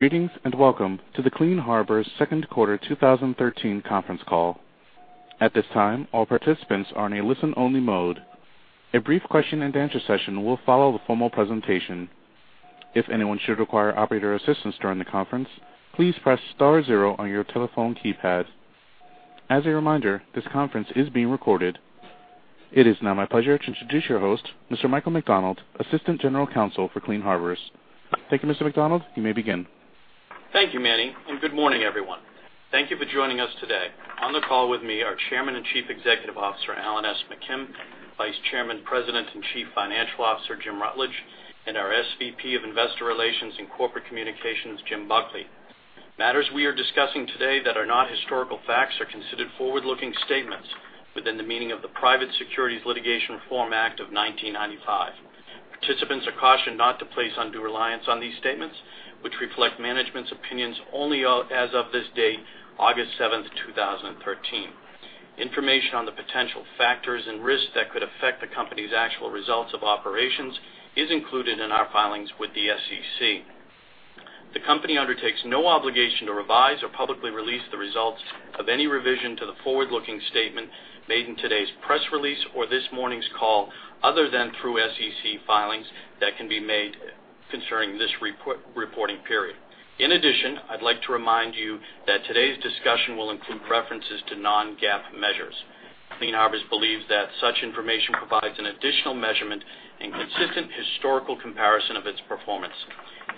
Greetings and welcome to the Clean Harbors second quarter 2013 conference call. At this time, all participants are in a listen-only mode. A brief question-and-answer session will follow the formal presentation. If anyone should require operator assistance during the conference, please press star zero on your telephone keypad. As a reminder, this conference is being recorded. It is now my pleasure to introduce your host, Mr. Michael McDonald, Assistant General Counsel for Clean Harbors. Thank you, Mr. McDonald. You may begin. Thank you, Manny, and good morning, everyone. Thank you for joining us today. On the call with me are Chairman and Chief Executive Officer Alan S. McKim, Vice Chairman, President, and Chief Financial Officer Jim Rutledge, and our SVP of Investor Relations and Corporate Communications, Jim Buckley. Matters we are discussing today that are not historical facts are considered forward-looking statements within the meaning of the Private Securities Litigation Reform Act of 1995. Participants are cautioned not to place undue reliance on these statements, which reflect management's opinions only as of this date, August 7th, 2013. Information on the potential factors and risks that could affect the company's actual results of operations is included in our filings with the SEC. The company undertakes no obligation to revise or publicly release the results of any revision to the forward-looking statement made in today's press release or this morning's call, other than through SEC filings that can be made concerning this reporting period. In addition, I'd like to remind you that today's discussion will include references to non-GAAP measures. Clean Harbors believes that such information provides an additional measurement and consistent historical comparison of its performance.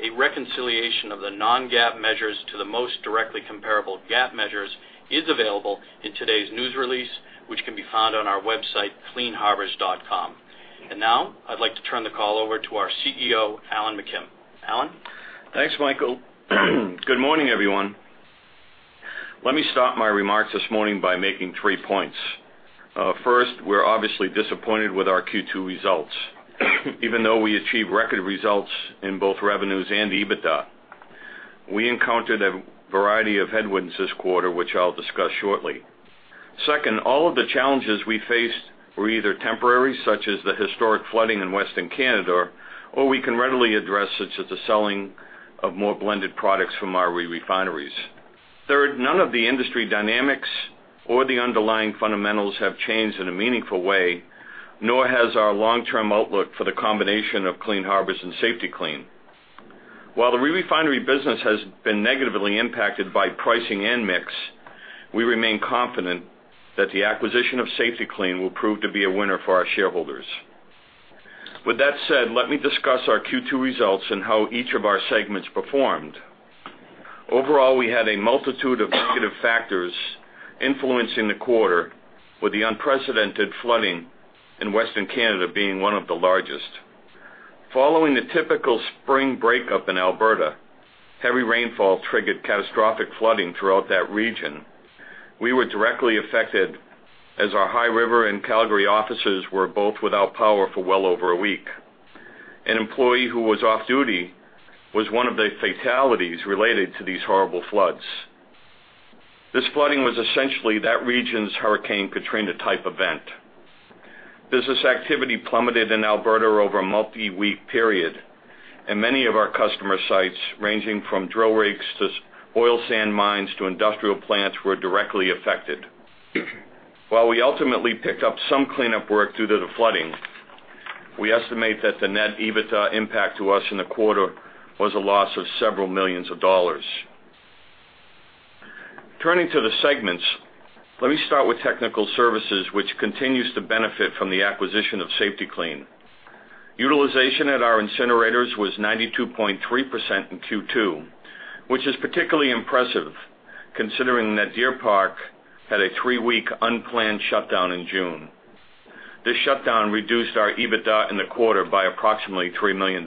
A reconciliation of the non-GAAP measures to the most directly comparable GAAP measures is available in today's news release, which can be found on our website, cleanharbors.com. And now, I'd like to turn the call over to our CEO, Alan McKim. Alan? Thanks, Michael. Good morning, everyone. Let me start my remarks this morning by making three points. First, we're obviously disappointed with our Q2 results, even though we achieved record results in both revenues and EBITDA. We encountered a variety of headwinds this quarter, which I'll discuss shortly. Second, all of the challenges we faced were either temporary, such as the historic flooding in Western Canada, or we can readily address such as the selling of more blended products from our refineries. Third, none of the industry dynamics or the underlying fundamentals have changed in a meaningful way, nor has our long-term outlook for the combination of Clean Harbors and Safety-Kleen. While the refinery business has been negatively impacted by pricing and mix, we remain confident that the acquisition of Safety-Kleen will prove to be a winner for our shareholders. With that said, let me discuss our Q2 results and how each of our segments performed. Overall, we had a multitude of negative factors influencing the quarter, with the unprecedented flooding in Western Canada being one of the largest. Following the typical spring breakup in Alberta, heavy rainfall triggered catastrophic flooding throughout that region. We were directly affected as our High River and Calgary offices were both without power for well over a week. An employee who was off duty was one of the fatalities related to these horrible floods. This flooding was essentially that region's Hurricane Katrina-type event. Business activity plummeted in Alberta over a multi-week period, and many of our customer sites, ranging from drill rigs to oil sand mines to industrial plants, were directly affected. While we ultimately picked up some cleanup work due to the flooding, we estimate that the net EBITDA impact to us in the quarter was a loss of several million of dollars. Turning to the segments, let me start with technical services, which continues to benefit from the acquisition of Safety-Kleen. Utilization at our incinerators was 92.3% in Q2, which is particularly impressive considering that Deer Park had a three-week unplanned shutdown in June. This shutdown reduced our EBITDA in the quarter by approximately $3 million.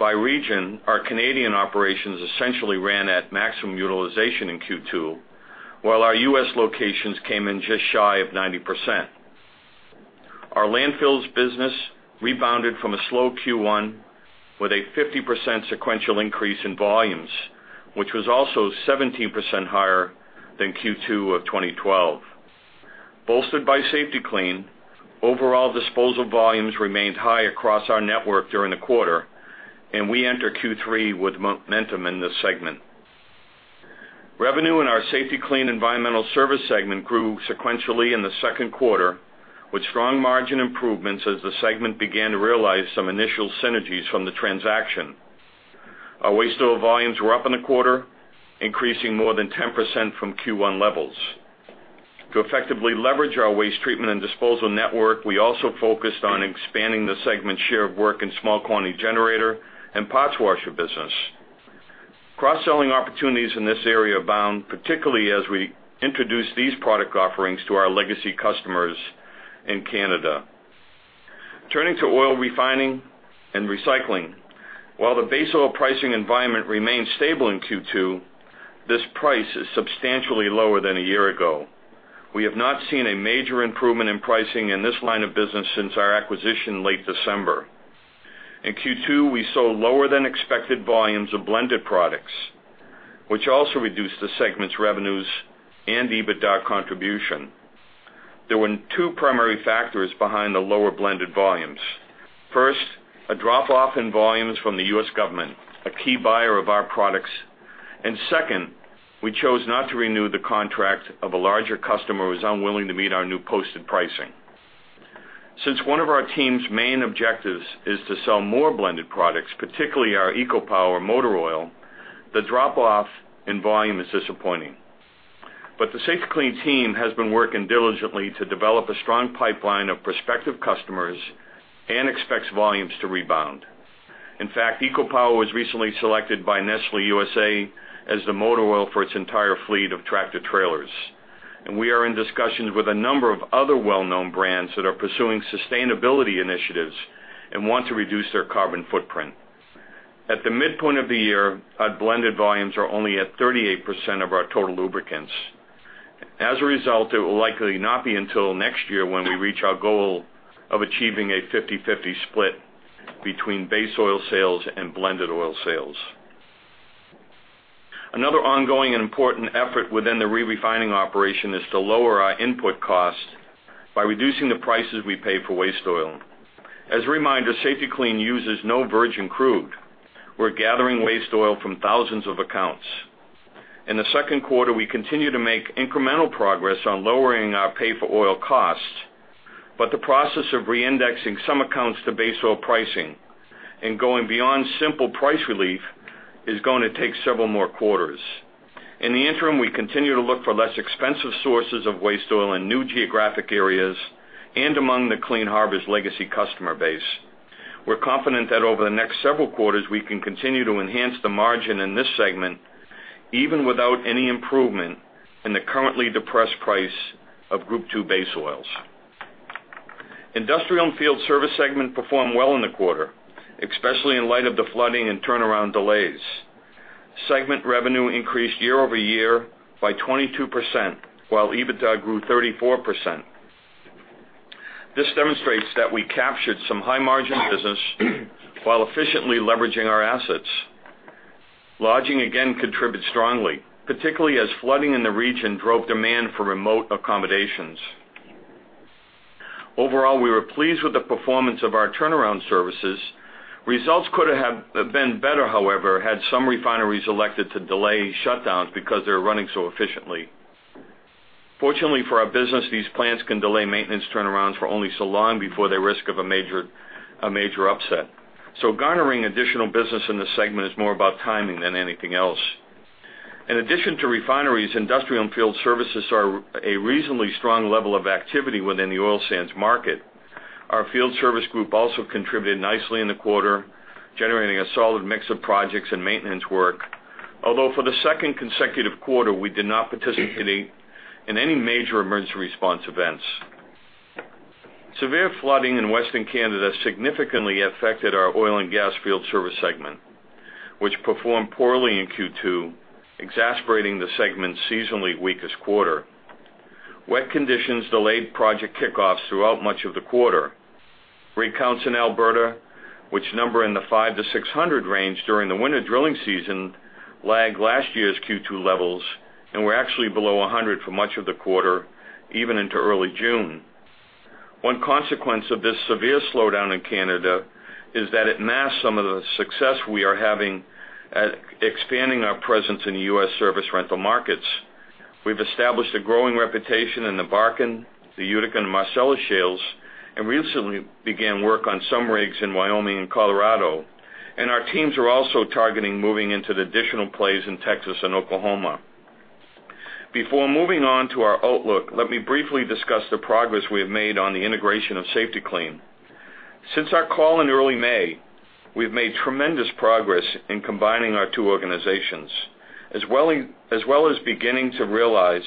By region, our Canadian operations essentially ran at maximum utilization in Q2, while our U.S. locations came in just shy of 90%. Our landfills business rebounded from a slow Q1 with a 50% sequential increase in volumes, which was also 17% higher than Q2 of 2012. Bolstered by Safety-Kleen, overall disposal volumes remained high across our network during the quarter, and we enter Q3 with momentum in this segment. Revenue in our Safety-Kleen environmental service segment grew sequentially in the second quarter, with strong margin improvements as the segment began to realize some initial synergies from the transaction. Our waste oil volumes were up in the quarter, increasing more than 10% from Q1 levels. To effectively leverage our waste treatment and disposal network, we also focused on expanding the segment share of work in Small Quantity Generator and parts washer business. Cross-selling opportunities in this area abound, particularly as we introduce these product offerings to our legacy customers in Canada. Turning to oil refining and recycling, while the base oil pricing environment remained stable in Q2, this price is substantially lower than a year ago. We have not seen a major improvement in pricing in this line of business since our acquisition in late December. In Q2, we sold lower than expected volumes of blended products, which also reduced the segment's revenues and EBITDA contribution. There were two primary factors behind the lower blended volumes. First, a drop-off in volumes from the U.S. government, a key buyer of our products, and second, we chose not to renew the contract of a larger customer who was unwilling to meet our new posted pricing. Since one of our team's main objectives is to sell more blended products, particularly our EcoPower motor oil, the drop-off in volume is disappointing. But the Safety-Kleen team has been working diligently to develop a strong pipeline of prospective customers and expects volumes to rebound. In fact, EcoPower was recently selected by Nestlé USA as the motor oil for its entire fleet of tractor trailers, and we are in discussions with a number of other well-known brands that are pursuing sustainability initiatives and want to reduce their carbon footprint. At the midpoint of the year, our blended volumes are only at 38% of our total lubricants. As a result, it will likely not be until next year when we reach our goal of achieving a 50/50 split between base oil sales and blended oil sales. Another ongoing and important effort within the re-refining operation is to lower our input cost by reducing the prices we pay for waste oil. As a reminder, Safety-Kleen uses no virgin crude. We're gathering waste oil from thousands of accounts. In the second quarter, we continue to make incremental progress on lowering our pay-for-oil cost, but the process of re-indexing some accounts to base oil pricing and going beyond simple price relief is going to take several more quarters. In the interim, we continue to look for less expensive sources of waste oil in new geographic areas and among the Clean Harbors legacy customer base. We're confident that over the next several quarters, we can continue to enhance the margin in this segment, even without any improvement in the currently depressed price of Group II base oils. Industrial and field service segment performed well in the quarter, especially in light of the flooding and turnaround delays. Segment revenue increased year-over-year by 22%, while EBITDA grew 34%. This demonstrates that we captured some high-margin business while efficiently leveraging our assets. Lodging again contributed strongly, particularly as flooding in the region drove demand for remote accommodations. Overall, we were pleased with the performance of our turnaround services. Results could have been better, however, had some refineries elected to delay shutdowns because they were running so efficiently. Fortunately for our business, these plants can delay maintenance turnarounds for only so long before they risk a major upset. So garnering additional business in the segment is more about timing than anything else. In addition to refineries, industrial and field services are a reasonably strong level of activity within the oil sands market. Our field service group also contributed nicely in the quarter, generating a solid mix of projects and maintenance work, although for the second consecutive quarter, we did not participate in any major emergency response events. Severe flooding in Western Canada significantly affected our oil and gas field service segment, which performed poorly in Q2, exacerbating the segment's seasonally weakest quarter. Wet conditions delayed project kickoffs throughout much of the quarter. Rig counts in Alberta, which number in the 5-600 range during the winter drilling season, lagged last year's Q2 levels and were actually below 100 for much of the quarter, even into early June. One consequence of this severe slowdown in Canada is that it masks some of the success we are having at expanding our presence in U.S. service rental markets. We've established a growing reputation in the Bakken, the Utica, and Marcellus shales and recently began work on some rigs in Wyoming and Colorado. Our teams are also targeting moving into the additional plays in Texas and Oklahoma. Before moving on to our outlook, let me briefly discuss the progress we have made on the integration of Safety-Kleen. Since our call in early May, we've made tremendous progress in combining our two organizations, as well as beginning to realize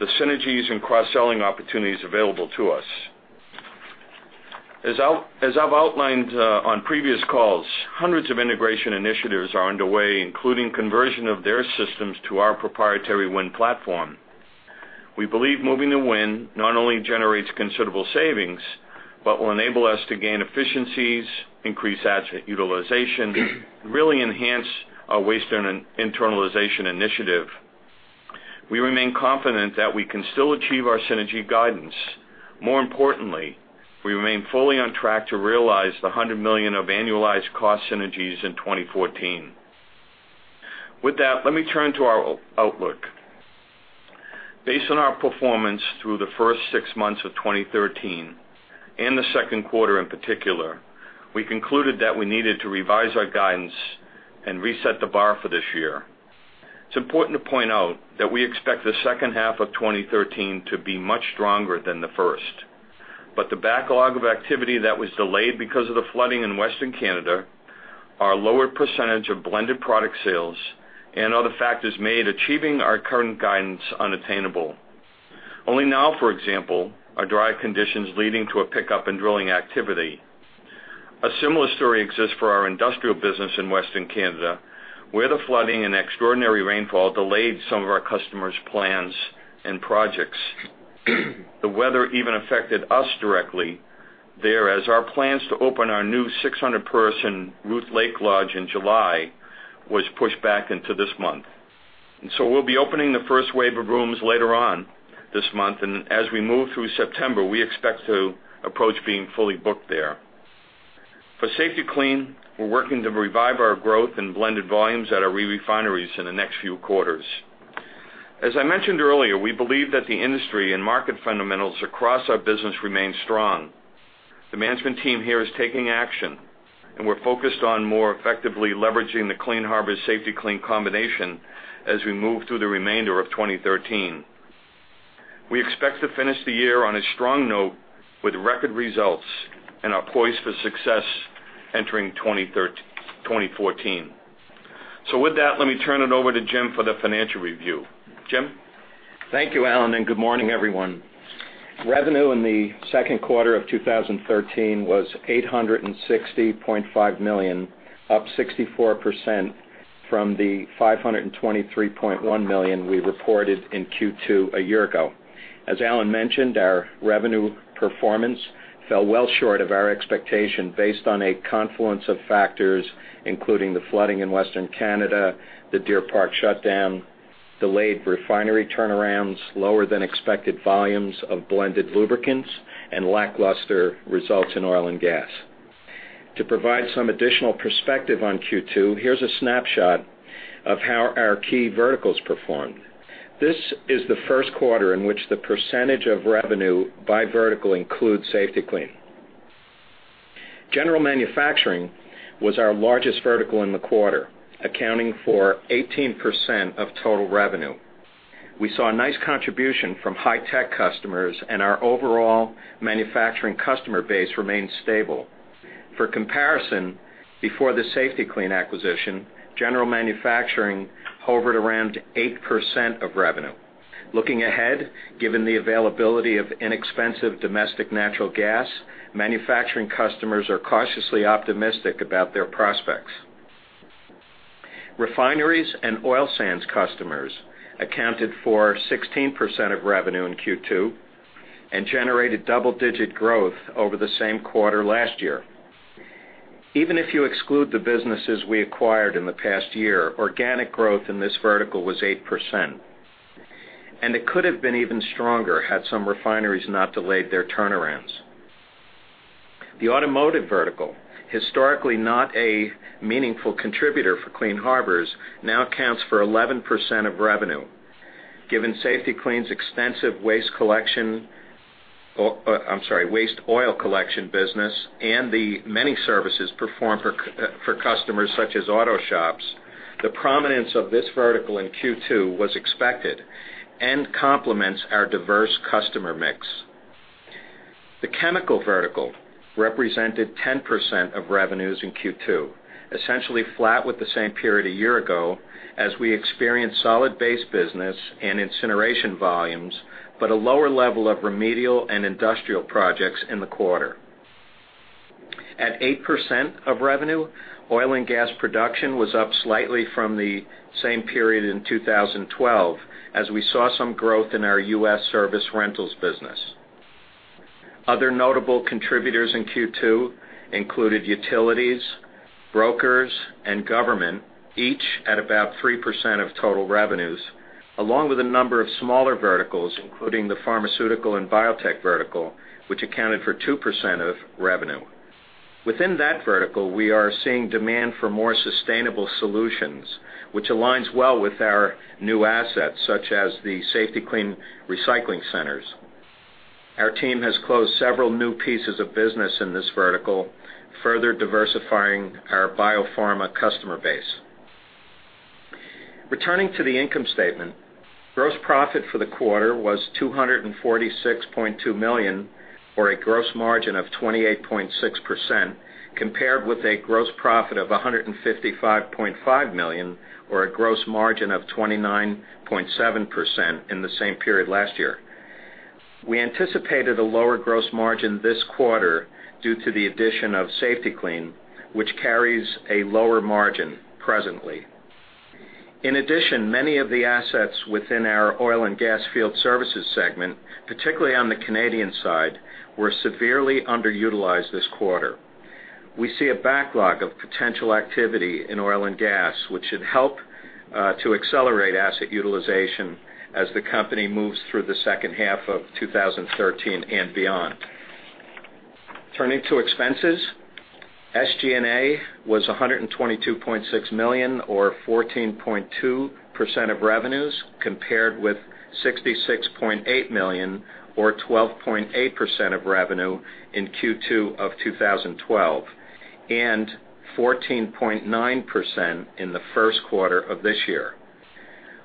the synergies and cross-selling opportunities available to us. As I've outlined on previous calls, hundreds of integration initiatives are underway, including conversion of their systems to our proprietary WIN platform. We believe moving to WIN not only generates considerable savings, but will enable us to gain efficiencies, increase asset utilization, and really enhance our waste internalization initiative. We remain confident that we can still achieve our synergy guidance. More importantly, we remain fully on track to realize the $100 million of annualized cost synergies in 2014. With that, let me turn to our outlook. Based on our performance through the first six months of 2013 and the second quarter in particular, we concluded that we needed to revise our guidance and reset the bar for this year. It's important to point out that we expect the second half of 2013 to be much stronger than the first. But the backlog of activity that was delayed because of the flooding in Western Canada, our lowered percentage of blended product sales, and other factors made achieving our current guidance unattainable. Only now, for example, are dry conditions leading to a pickup in drilling activity. A similar story exists for our industrial business in Western Canada, where the flooding and extraordinary rainfall delayed some of our customers' plans and projects. The weather even affected us directly there, as our plans to open our new 600-person Ruth Lake Lodge in July were pushed back into this month. And so we'll be opening the first wave of rooms later on this month, and as we move through September, we expect to approach being fully booked there. For Safety-Kleen, we're working to revive our growth and blended volumes at our re-refineries in the next few quarters. As I mentioned earlier, we believe that the industry and market fundamentals across our business remain strong. The management team here is taking action, and we're focused on more effectively leveraging the Clean Harbors Safety-Kleen combination as we move through the remainder of 2013. We expect to finish the year on a strong note with record results and poised for success entering 2014. So with that, let me turn it over to Jim for the financial review. Jim? Thank you, Alan, and good morning, everyone. Revenue in the second quarter of 2013 was $860.5 million, up 64% from the $523.1 million we reported in Q2 a year ago. As Alan mentioned, our revenue performance fell well short of our expectation based on a confluence of factors, including the flooding in Western Canada, the Deer Park shutdown, delayed refinery turnarounds, lower than expected volumes of blended lubricants, and lackluster results in oil and gas. To provide some additional perspective on Q2, here's a snapshot of how our key verticals performed. This is the first quarter in which the percentage of revenue by vertical includes Safety-Kleen. General manufacturing was our largest vertical in the quarter, accounting for 18% of total revenue. We saw a nice contribution from high-tech customers, and our overall manufacturing customer base remained stable. For comparison, before the Safety-Kleen acquisition, general manufacturing hovered around 8% of revenue. Looking ahead, given the availability of inexpensive domestic natural gas, manufacturing customers are cautiously optimistic about their prospects. Refineries and oil sands customers accounted for 16% of revenue in Q2 and generated double-digit growth over the same quarter last year. Even if you exclude the businesses we acquired in the past year, organic growth in this vertical was 8%. It could have been even stronger had some refineries not delayed their turnarounds. The automotive vertical, historically not a meaningful contributor for Clean Harbors, now accounts for 11% of revenue. Given Safety-Kleen's extensive waste collection, I'm sorry, waste oil collection business, and the many services performed for customers such as auto shops, the prominence of this vertical in Q2 was expected and complements our diverse customer mix. The chemical vertical represented 10% of revenues in Q2, essentially flat with the same period a year ago, as we experienced solid base business and incineration volumes, but a lower level of remedial and industrial projects in the quarter. At 8% of revenue, oil and gas production was up slightly from the same period in 2012, as we saw some growth in our U.S. service rentals business. Other notable contributors in Q2 included utilities, brokers, and government, each at about 3% of total revenues, along with a number of smaller verticals, including the pharmaceutical and biotech vertical, which accounted for 2% of revenue. Within that vertical, we are seeing demand for more sustainable solutions, which aligns well with our new assets, such as the Safety-Kleen recycling centers. Our team has closed several new pieces of business in this vertical, further diversifying our biopharma customer base. Returning to the income statement, gross profit for the quarter was $246.2 million, or a gross margin of 28.6%, compared with a gross profit of $155.5 million, or a gross margin of 29.7% in the same period last year. We anticipated a lower gross margin this quarter due to the addition of Safety-Kleen, which carries a lower margin presently. In addition, many of the assets within our oil and gas field services segment, particularly on the Canadian side, were severely underutilized this quarter. We see a backlog of potential activity in oil and gas, which should help to accelerate asset utilization as the company moves through the second half of 2013 and beyond. Turning to expenses, SG&A was $122.6 million, or 14.2% of revenues, compared with $66.8 million, or 12.8% of revenue in Q2 of 2012, and 14.9% in the first quarter of this year.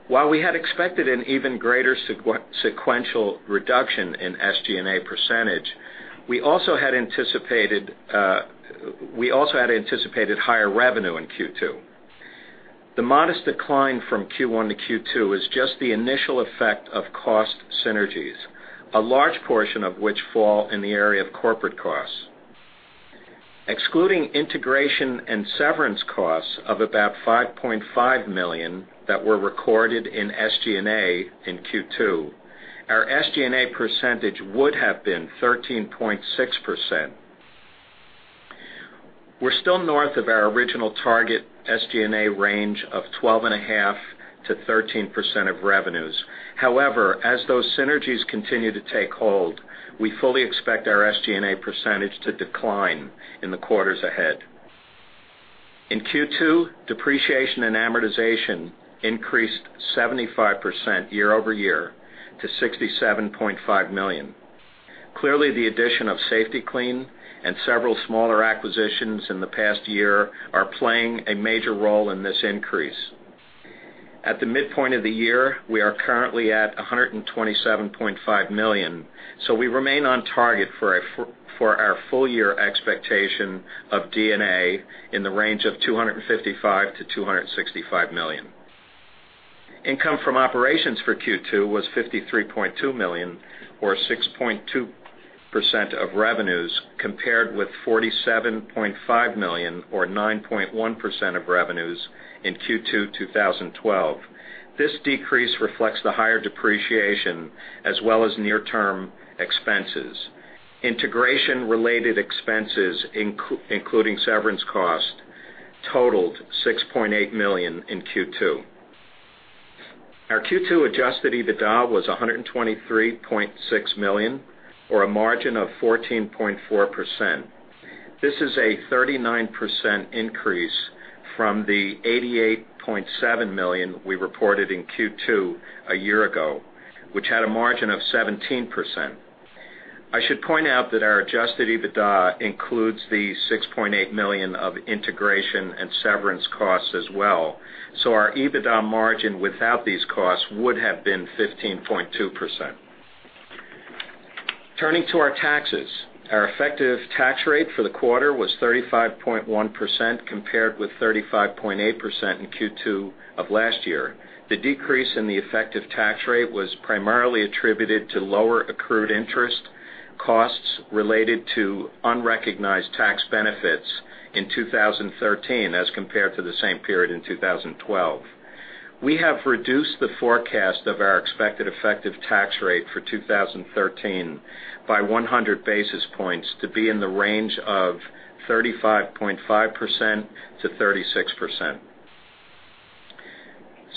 While we had expected an even greater sequential reduction in SG&A percentage, we also had anticipated higher revenue in Q2. The modest decline from Q1 to Q2 is just the initial effect of cost synergies, a large portion of which fall in the area of corporate costs. Excluding integration and severance costs of about $5.5 million that were recorded in SG&A in Q2, our SG&A percentage would have been 13.6%. We're still north of our original target SG&A range of 12.5%-13% of revenues. However, as those synergies continue to take hold, we fully expect our SG&A percentage to decline in the quarters ahead. In Q2, depreciation and amortization increased 75% year-over-year to $67.5 million. Clearly, the addition of Safety-Kleen and several smaller acquisitions in the past year are playing a major role in this increase. At the midpoint of the year, we are currently at $127.5 million, so we remain on target for our full-year expectation of D&A in the range of $255 million-$265 million. Income from operations for Q2 was $53.2 million, or 6.2% of revenues, compared with $47.5 million, or 9.1% of revenues, in Q2 2012. This decrease reflects the higher depreciation as well as near-term expenses. Integration-related expenses, including severance costs, totaled $6.8 million in Q2. Our Q2 adjusted EBITDA was $123.6 million, or a margin of 14.4%. This is a 39% increase from the $88.7 million we reported in Q2 a year ago, which had a margin of 17%. I should point out that our adjusted EBITDA includes the $6.8 million of integration and severance costs as well, so our EBITDA margin without these costs would have been 15.2%. Turning to our taxes, our effective tax rate for the quarter was 35.1% compared with 35.8% in Q2 of last year. The decrease in the effective tax rate was primarily attributed to lower accrued interest costs related to unrecognized tax benefits in 2013 as compared to the same period in 2012. We have reduced the forecast of our expected effective tax rate for 2013 by 100 basis points to be in the range of 35.5%-36%.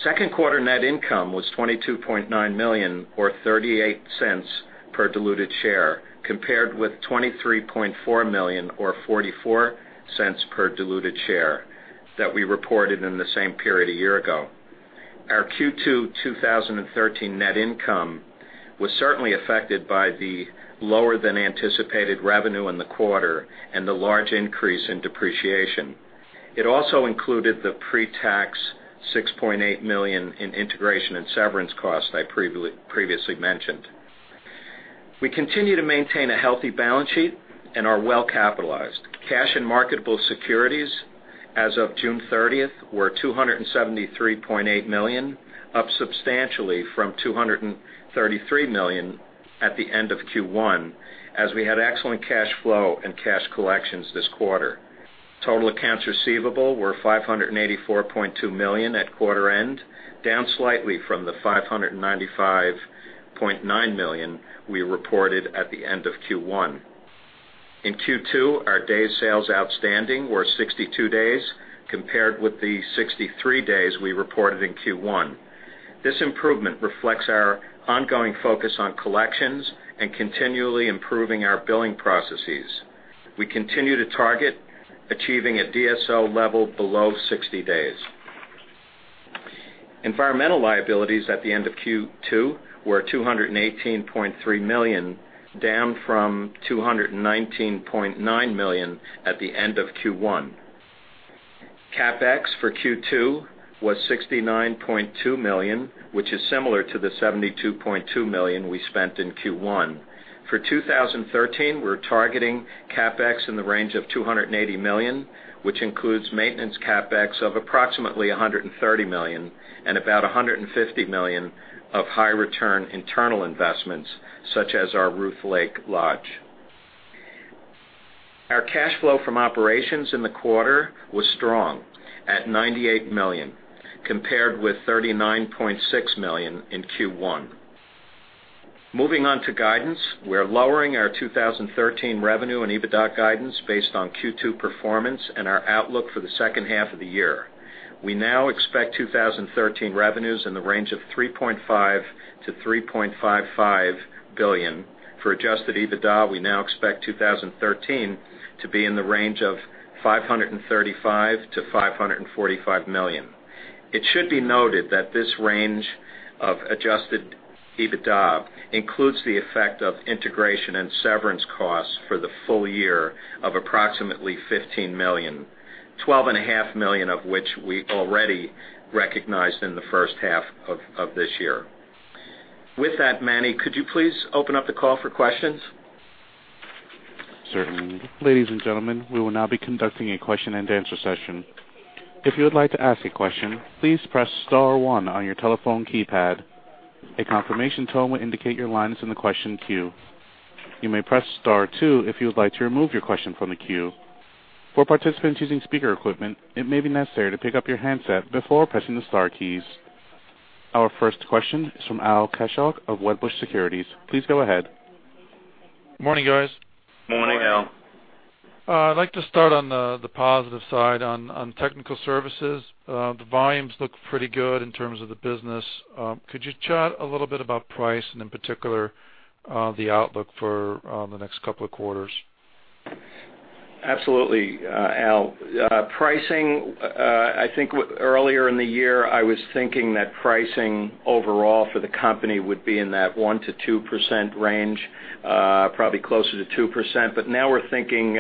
Second quarter net income was $22.9 million, or $0.38 per diluted share, compared with $23.4 million, or $0.44 per diluted share, that we reported in the same period a year ago. Our Q2 2013 net income was certainly affected by the lower-than-anticipated revenue in the quarter and the large increase in depreciation. It also included the pre-tax $6.8 million in integration and severance costs I previously mentioned. We continue to maintain a healthy balance sheet and are well-capitalized. Cash and marketable securities, as of June 30th, were $273.8 million, up substantially from $233 million at the end of Q1, as we had excellent cash flow and cash collections this quarter. Total accounts receivable were $584.2 million at quarter-end, down slightly from the $595.9 million we reported at the end of Q1. In Q2, our Days Sales Outstanding were 62 days, compared with the 63 days we reported in Q1. This improvement reflects our ongoing focus on collections and continually improving our billing processes. We continue to target achieving a DSO level below 60 days. Environmental liabilities at the end of Q2 were $218.3 million, down from $219.9 million at the end of Q1. CapEx for Q2 was $69.2 million, which is similar to the $72.2 million we spent in Q1. For 2013, we're targeting CapEx in the range of $280 million, which includes maintenance CapEx of approximately $130 million and about $150 million of high-return internal investments, such as our Ruth Lake Lodge. Our cash flow from operations in the quarter was strong at $98 million, compared with $39.6 million in Q1. Moving on to guidance, we're lowering our 2013 revenue and EBITDA guidance based on Q2 performance and our outlook for the second half of the year. We now expect 2013 revenues in the range of $3.5 billion-$3.55 billion. For adjusted EBITDA, we now expect 2013 to be in the range of $535 million-$545 million. It should be noted that this range of adjusted EBITDA includes the effect of integration and severance costs for the full year of approximately $15 million, $12.5 million of which we already recognized in the first half of this year. With that, Manny, could you please open up the call for questions? Certainly. Ladies and gentlemen, we will now be conducting a question-and-answer session. If you would like to ask a question, please press Star one on your telephone keypad. A confirmation tone will indicate your line is in the question queue. You may press Star two if you would like to remove your question from the queue. For participants using speaker equipment, it may be necessary to pick up your handset before pressing the Star keys. Our first question is from Al Kaschalk of Wedbush Securities. Please go ahead. Morning, guys. Morning, Al. I'd like to start on the positive side on technical services. The volumes look pretty good in terms of the business. Could you chat a little bit about price and, in particular, the outlook for the next couple of quarters? Absolutely, Al. Pricing, I think earlier in the year, I was thinking that pricing overall for the company would be in that 1%-2% range, probably closer to 2%. But now we're thinking,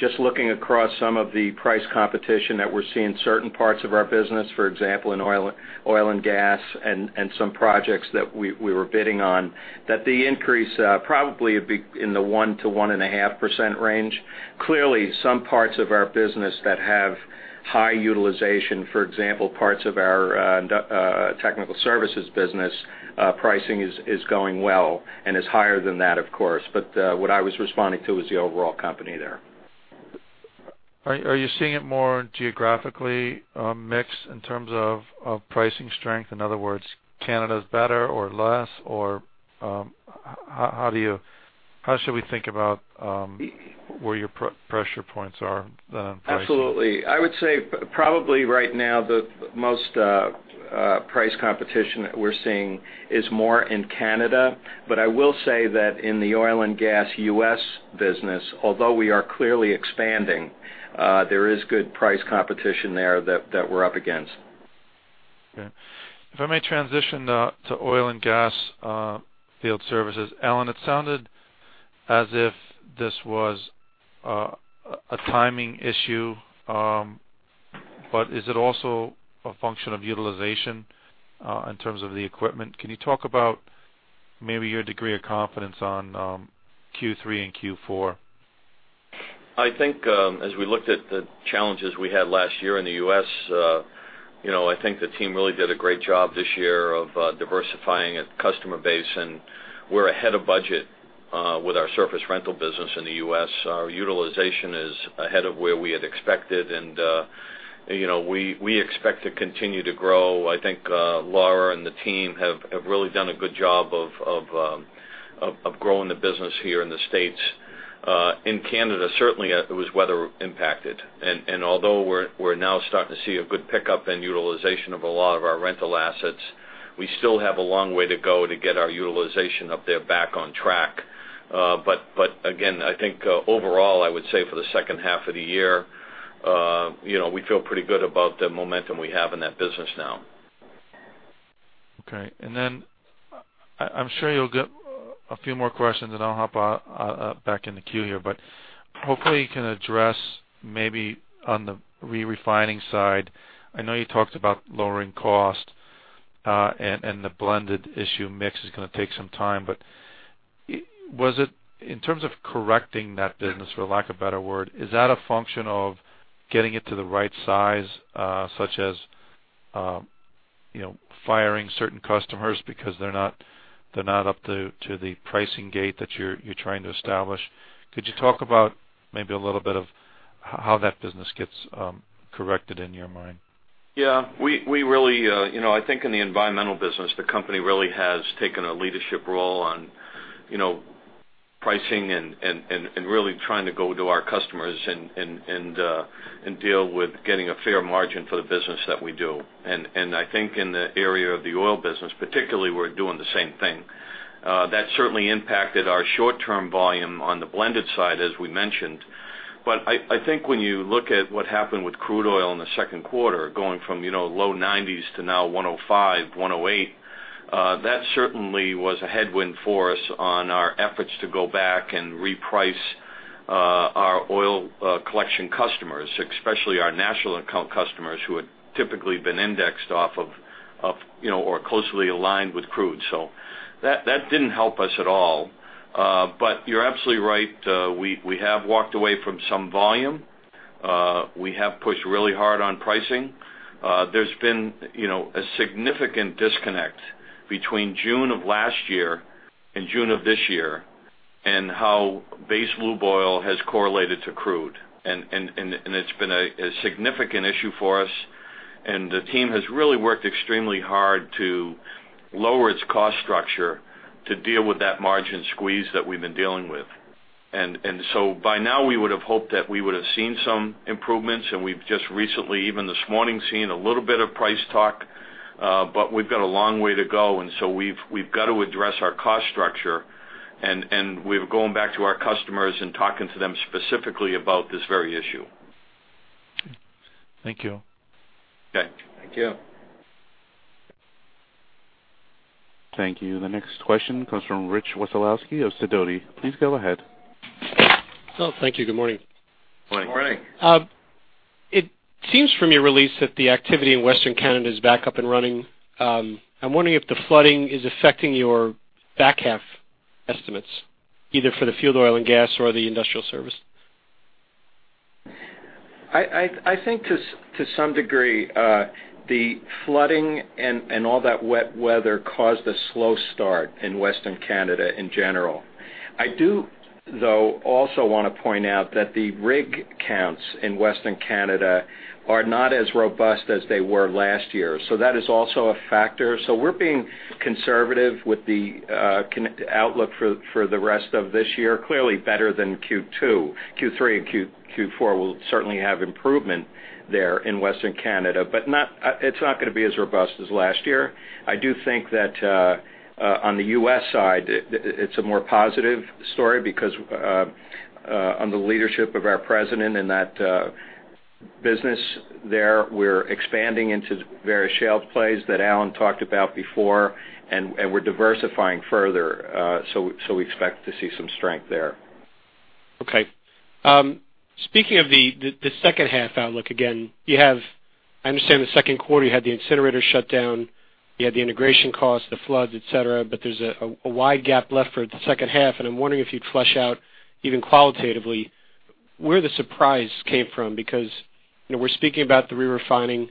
just looking across some of the price competition that we're seeing in certain parts of our business, for example, in oil and gas and some projects that we were bidding on, that the increase probably would be in the 1%-1.5% range. Clearly, some parts of our business that have high utilization, for example, parts of our technical services business, pricing is going well and is higher than that, of course. But what I was responding to is the overall company there. Are you seeing it more geographically mixed in terms of pricing strength? In other words, Canada's better or less, or how should we think about where your pressure points are then on price? Absolutely. I would say probably right now the most price competition we're seeing is more in Canada. But I will say that in the oil and gas U.S. business, although we are clearly expanding, there is good price competition there that we're up against. Okay. If I may transition to oil and gas field services. Alan, it sounded as if this was a timing issue, but is it also a function of utilization in terms of the equipment? Can you talk about maybe your degree of confidence on Q3 and Q4? I think as we looked at the challenges we had last year in the U.S., I think the team really did a great job this year of diversifying a customer base. We're ahead of budget with our surface rental business in the U.S. Our utilization is ahead of where we had expected, and we expect to continue to grow. I think Laura and the team have really done a good job of growing the business here in the States. In Canada, certainly, it was weather-impacted. Although we're now starting to see a good pickup and utilization of a lot of our rental assets, we still have a long way to go to get our utilization up there back on track. Again, I think overall, I would say for the second half of the year, we feel pretty good about the momentum we have in that business now. Okay. And then I'm sure you'll get a few more questions, and I'll hop back in the queue here. But hopefully, you can address maybe on the re-refining side. I know you talked about lowering cost and the blended issue mix is going to take some time. But in terms of correcting that business, for lack of a better word, is that a function of getting it to the right size, such as firing certain customers because they're not up to the pricing gate that you're trying to establish? Could you talk about maybe a little bit of how that business gets corrected in your mind? Yeah. I think in the environmental business, the company really has taken a leadership role on pricing and really trying to go to our customers and deal with getting a fair margin for the business that we do. I think in the area of the oil business, particularly, we're doing the same thing. That certainly impacted our short-term volume on the blended side, as we mentioned. But I think when you look at what happened with crude oil in the second quarter, going from low $90s to now $105, $108, that certainly was a headwind for us on our efforts to go back and reprice our oil collection customers, especially our national customers who had typically been indexed off of or closely aligned with crude. So that didn't help us at all. But you're absolutely right. We have walked away from some volume. We have pushed really hard on pricing. There's been a significant disconnect between June of last year and June of this year and how base lube oil has correlated to crude. It's been a significant issue for us. The team has really worked extremely hard to lower its cost structure to deal with that margin squeeze that we've been dealing with. By now, we would have hoped that we would have seen some improvements. We've just recently, even this morning, seen a little bit of price talk. But we've got a long way to go. We've got to address our cost structure. We're going back to our customers and talking to them specifically about this very issue. Thank you. Okay. Thank you. Thank you. The next question comes from Rich Wesolowski of Sidoti. Please go ahead. Thank you. Good morning. Good morning. Good morning. It seems from your release that the activity in Western Canada is back up and running. I'm wondering if the flooding is affecting your back half estimates, either for the field oil and gas or the industrial service. I think to some degree, the flooding and all that wet weather caused a slow start in Western Canada in general. I do, though, also want to point out that the rig counts in Western Canada are not as robust as they were last year. So that is also a factor. So we're being conservative with the outlook for the rest of this year, clearly better than Q2. Q3 and Q4 will certainly have improvement there in Western Canada, but it's not going to be as robust as last year. I do think that on the U.S. side, it's a more positive story because under the leadership of our president in that business there, we're expanding into various shale plays that Alan talked about before, and we're diversifying further. So we expect to see some strength there. Okay. Speaking of the second half outlook, again, I understand the second quarter, you had the incinerator shut down, you had the integration costs, the floods, etc., but there's a wide gap left for the second half. And I'm wondering if you'd flesh out even qualitatively where the surprise came from because we're speaking about the re-refining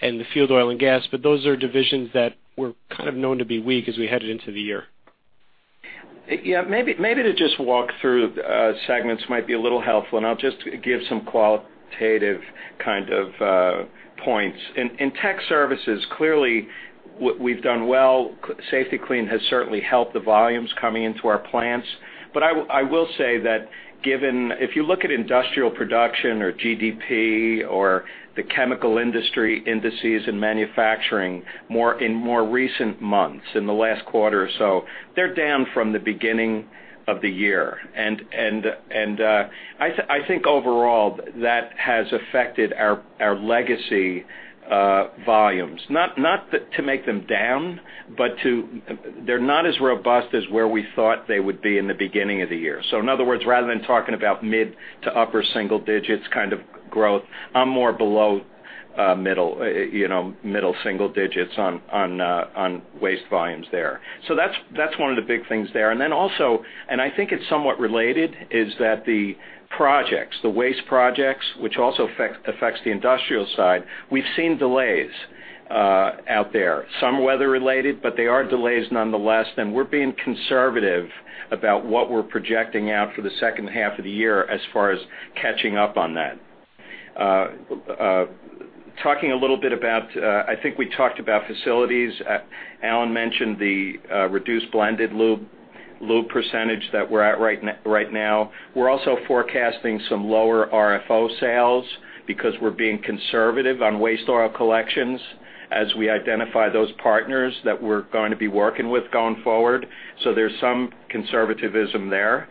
and the field oil and gas, but those are divisions that were kind of known to be weak as we headed into the year. Yeah. Maybe to just walk through segments might be a little helpful. And I'll just give some qualitative kind of points. In tech services, clearly, we've done well. Safety-Kleen has certainly helped the volumes coming into our plants. But I will say that if you look at industrial production or GDP or the chemical industry indices and manufacturing in more recent months in the last quarter or so, they're down from the beginning of the year. And I think overall, that has affected our legacy volumes, not to make them down, but they're not as robust as where we thought they would be in the beginning of the year. So in other words, rather than talking about mid- to upper-single digits kind of growth, I'm more below middle single digits on waste volumes there. So that's one of the big things there. I think it's somewhat related is that the projects, the waste projects, which also affects the industrial side, we've seen delays out there. Some weather-related, but they are delays nonetheless. We're being conservative about what we're projecting out for the second half of the year as far as catching up on that. Talking a little bit about, I think we talked about facilities. Alan mentioned the reduced blended lube percentage that we're at right now. We're also forecasting some lower RFO sales because we're being conservative on waste oil collections as we identify those partners that we're going to be working with going forward. So there's some conservatism there.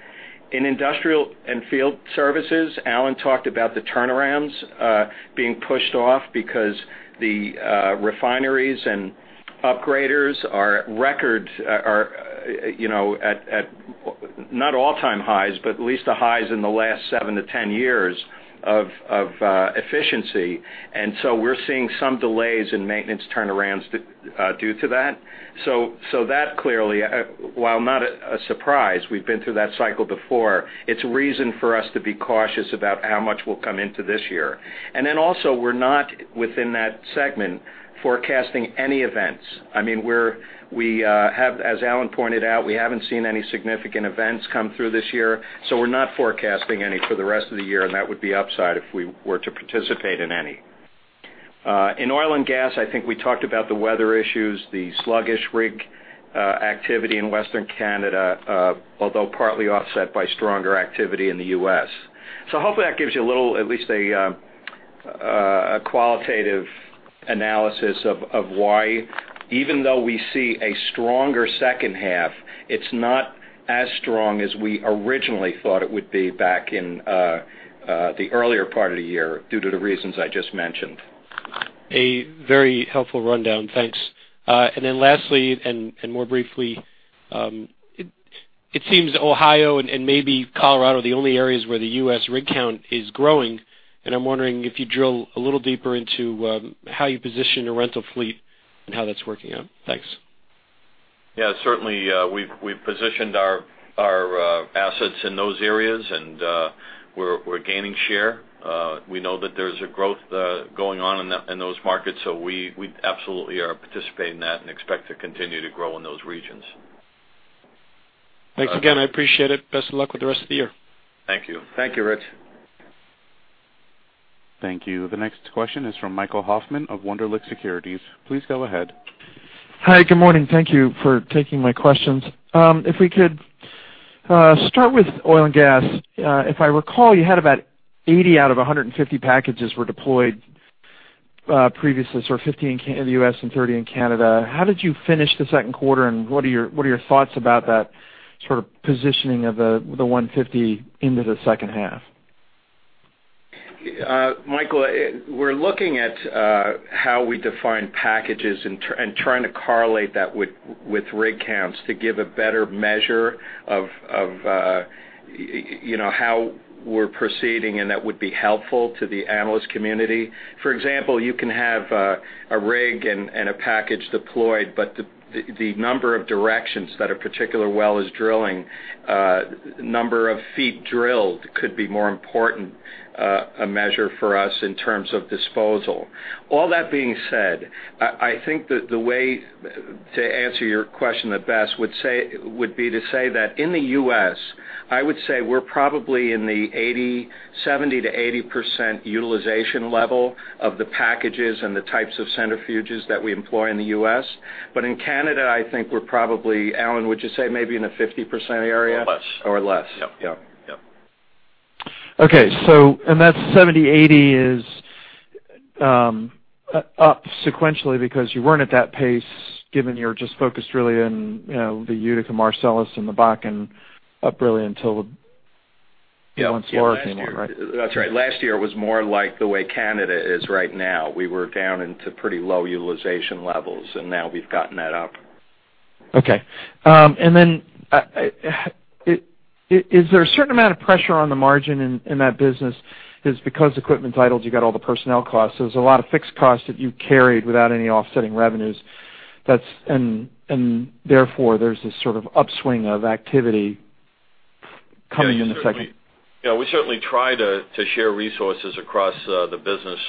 In industrial and field services, Alan talked about the turnarounds being pushed off because the refineries and upgraders are at record, not all-time highs, but at least the highs in the last seven-10 years of efficiency. And so we're seeing some delays in maintenance turnarounds due to that. So that clearly, while not a surprise, we've been through that cycle before. It's a reason for us to be cautious about how much will come into this year. And then also, we're not within that segment forecasting any events. I mean, as Alan pointed out, we haven't seen any significant events come through this year. So we're not forecasting any for the rest of the year. And that would be upside if we were to participate in any. In oil and gas, I think we talked about the weather issues, the sluggish rig activity in Western Canada, although partly offset by stronger activity in the U.S. So hopefully, that gives you a little, at least a qualitative analysis of why, even though we see a stronger second half, it's not as strong as we originally thought it would be back in the earlier part of the year due to the reasons I just mentioned. A very helpful rundown. Thanks. Then lastly, and more briefly, it seems Ohio and maybe Colorado are the only areas where the U.S. rig count is growing. I'm wondering if you drill a little deeper into how you position your rental fleet and how that's working out? Thanks. Yeah. Certainly, we've positioned our assets in those areas, and we're gaining share. We know that there's a growth going on in those markets. So we absolutely are participating in that and expect to continue to grow in those regions. Thanks again. I appreciate it. Best of luck with the rest of the year. Thank you. Thank you, Rich. Thank you. The next question is from Michael Hoffman of Wunderlich Securities. Please go ahead. Hi. Good morning. Thank you for taking my questions. If we could start with oil and gas. If I recall, you had about 80 out of 150 packages were deployed previously, so 15 in the U.S. and 30 in Canada. How did you finish the second quarter, and what are your thoughts about that sort of positioning of the 150 into the second half? Michael, we're looking at how we define packages and trying to correlate that with rig counts to give a better measure of how we're proceeding. That would be helpful to the analyst community. For example, you can have a rig and a package deployed, but the number of directions that a particular well is drilling, number of feet drilled could be more important a measure for us in terms of disposal. All that being said, I think the way to answer your question the best would be to say that in the U.S., I would say we're probably in the 70%-80% utilization level of the packages and the types of centrifuges that we employ in the U.S. But in Canada, I think we're probably, Alan, would you say maybe in the 50% area? Or less. Or less. Yeah. Yeah. Yeah. Okay. And that 70%-80% is up sequentially because you weren't at that pace given you were just focused really on the Utica, Marcellus, and the Bakken up really until once came on, right? That's right. Last year, it was more like the way Canada is right now. We were down into pretty low utilization levels, and now we've gotten that up. Okay. And then is there a certain amount of pressure on the margin in that business? Because equipment idle, you got all the personnel costs. There's a lot of fixed costs that you carried without any offsetting revenues. And therefore, there's this sort of upswing of activity coming in the second. Yeah. We certainly try to share resources across the business,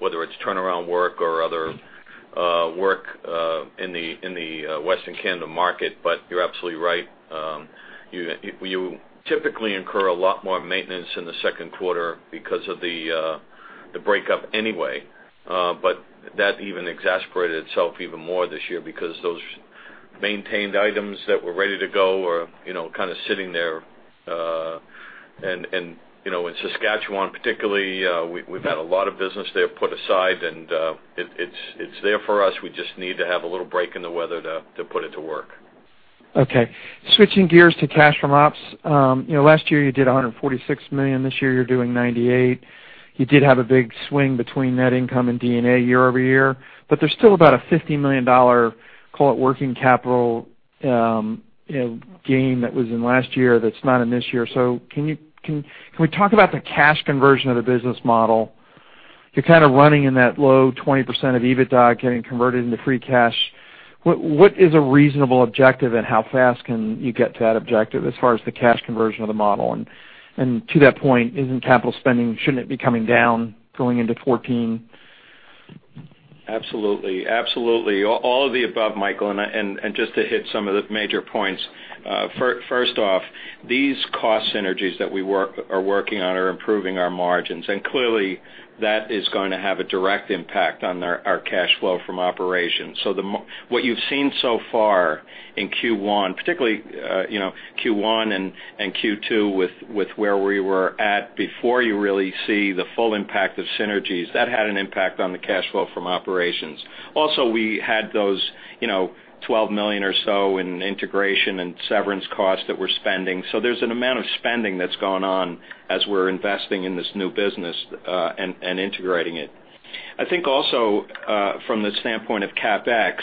whether it's turnaround work or other work in the Western Canada market. But you're absolutely right. You typically incur a lot more maintenance in the second quarter because of the breakup anyway. But that even exacerbated itself even more this year because those maintenance items that were ready to go are kind of sitting there. And in Saskatchewan, particularly, we've had a lot of business there put aside. And it's there for us. We just need to have a little break in the weather to put it to work. Okay. Switching gears to cash from ops. Last year, you did $146 million. This year, you're doing $98 million. You did have a big swing between net income and EBITDA year over year. But there's still about a $50 million, call it working capital gain that was in last year that's not in this year. So can we talk about the cash conversion of the business model? You're kind of running in that low 20% of EBITDA getting converted into free cash. What is a reasonable objective, and how fast can you get to that objective as far as the cash conversion of the model? And to that point, isn't capital spending, shouldn't it be coming down going into 2014? Absolutely. Absolutely. All of the above, Michael. And just to hit some of the major points, first off, these cost synergies that we are working on are improving our margins. And clearly, that is going to have a direct impact on our cash flow from operations. So what you've seen so far in Q1, particularly Q1 and Q2 with where we were at before you really see the full impact of synergies, that had an impact on the cash flow from operations. Also, we had those $12 million or so in integration and severance costs that we're spending. So there's an amount of spending that's going on as we're investing in this new business and integrating it. I think also from the standpoint of CapEx,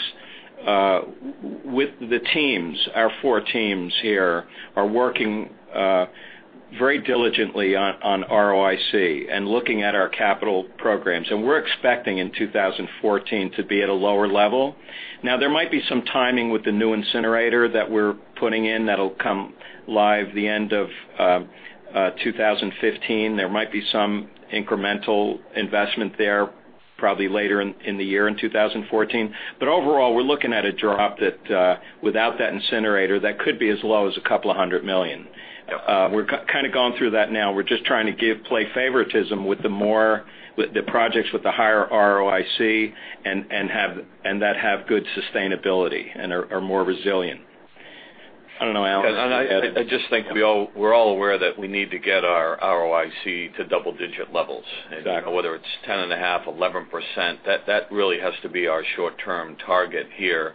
with the teams, our four teams here are working very diligently on ROIC and looking at our capital programs. And we're expecting in 2014 to be at a lower level. Now, there might be some timing with the new incinerator that we're putting in that'll come live the end of 2015. There might be some incremental investment there probably later in the year in 2014. But overall, we're looking at a drop that without that incinerator, that could be as low as $200 million. We're kind of going through that now. We're just trying to play favoritism with the projects with the higher ROIC and that have good sustainability and are more resilient. I don't know, Alan. I just think we're all aware that we need to get our ROIC to double-digit levels. Whether it's 10.5%, 11%, that really has to be our short-term target here.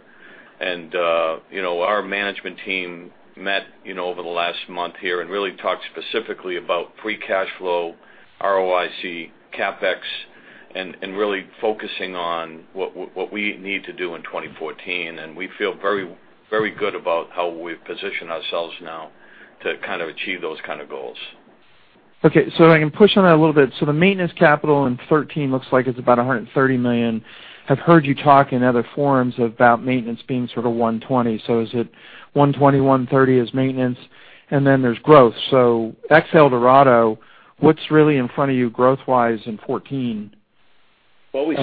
Our management team met over the last month here and really talked specifically about free cash flow, ROIC, CapEx, and really focusing on what we need to do in 2014. We feel very good about how we've positioned ourselves now to kind of achieve those kind of goals. Okay. So I can push on that a little bit. So the maintenance capital in 2013 looks like it's about $130 million. I've heard you talk in other forums about maintenance being sort of $120 million. So is it $120 million-$130 million as maintenance? And then there's growth. So Excel, Dorado, what's really in front of you growth-wise in 2014? Well, we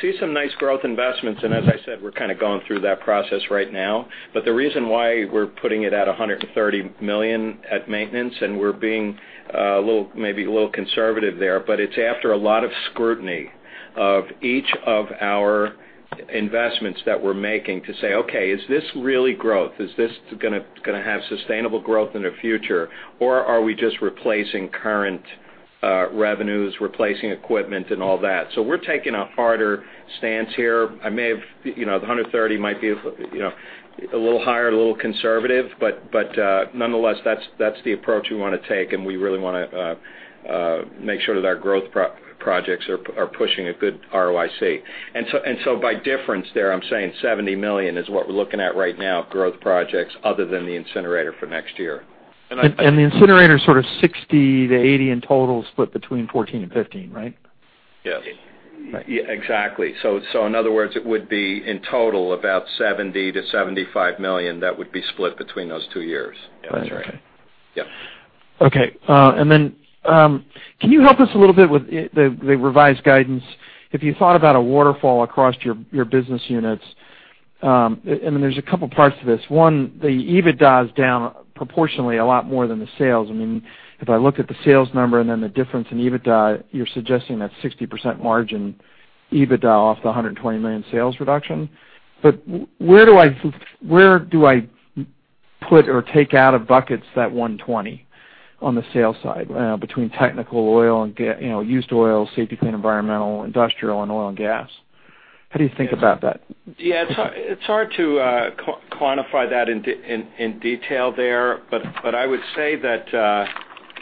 see some nice growth investments. As I said, we're kind of going through that process right now. But the reason why we're putting it at $130 million at maintenance, and we're being maybe a little conservative there, but it's after a lot of scrutiny of each of our investments that we're making to say, "Okay. Is this really growth? Is this going to have sustainable growth in the future? Or are we just replacing current revenues, replacing equipment, and all that?" So we're taking a harder stance here. I may have the $130 million might be a little higher, a little conservative. But nonetheless, that's the approach we want to take. And we really want to make sure that our growth projects are pushing a good ROIC. And so by difference there, I'm saying $70 million is what we're looking at right now, growth projects other than the incinerator for next year. The incinerator is sort of $60 million-$80 million in total split between 2014 and 2015, right? Yes. Exactly. So in other words, it would be in total about $70 million-$75 million that would be split between those two years. Yeah. That's right. Yeah. Okay. And then can you help us a little bit with the revised guidance? If you thought about a waterfall across your business units, I mean, there's a couple of parts to this. One, the EBITDA is down proportionally a lot more than the sales. I mean, if I look at the sales number and then the difference in EBITDA, you're suggesting that 60% margin EBITDA off the $120 million sales reduction. But where do I put or take out of buckets that 120 on the sale side between technical oil and used oil, Safety-Kleen environmental, industrial, and oil and gas? How do you think about that? Yeah. It's hard to quantify that in detail there. But I would say that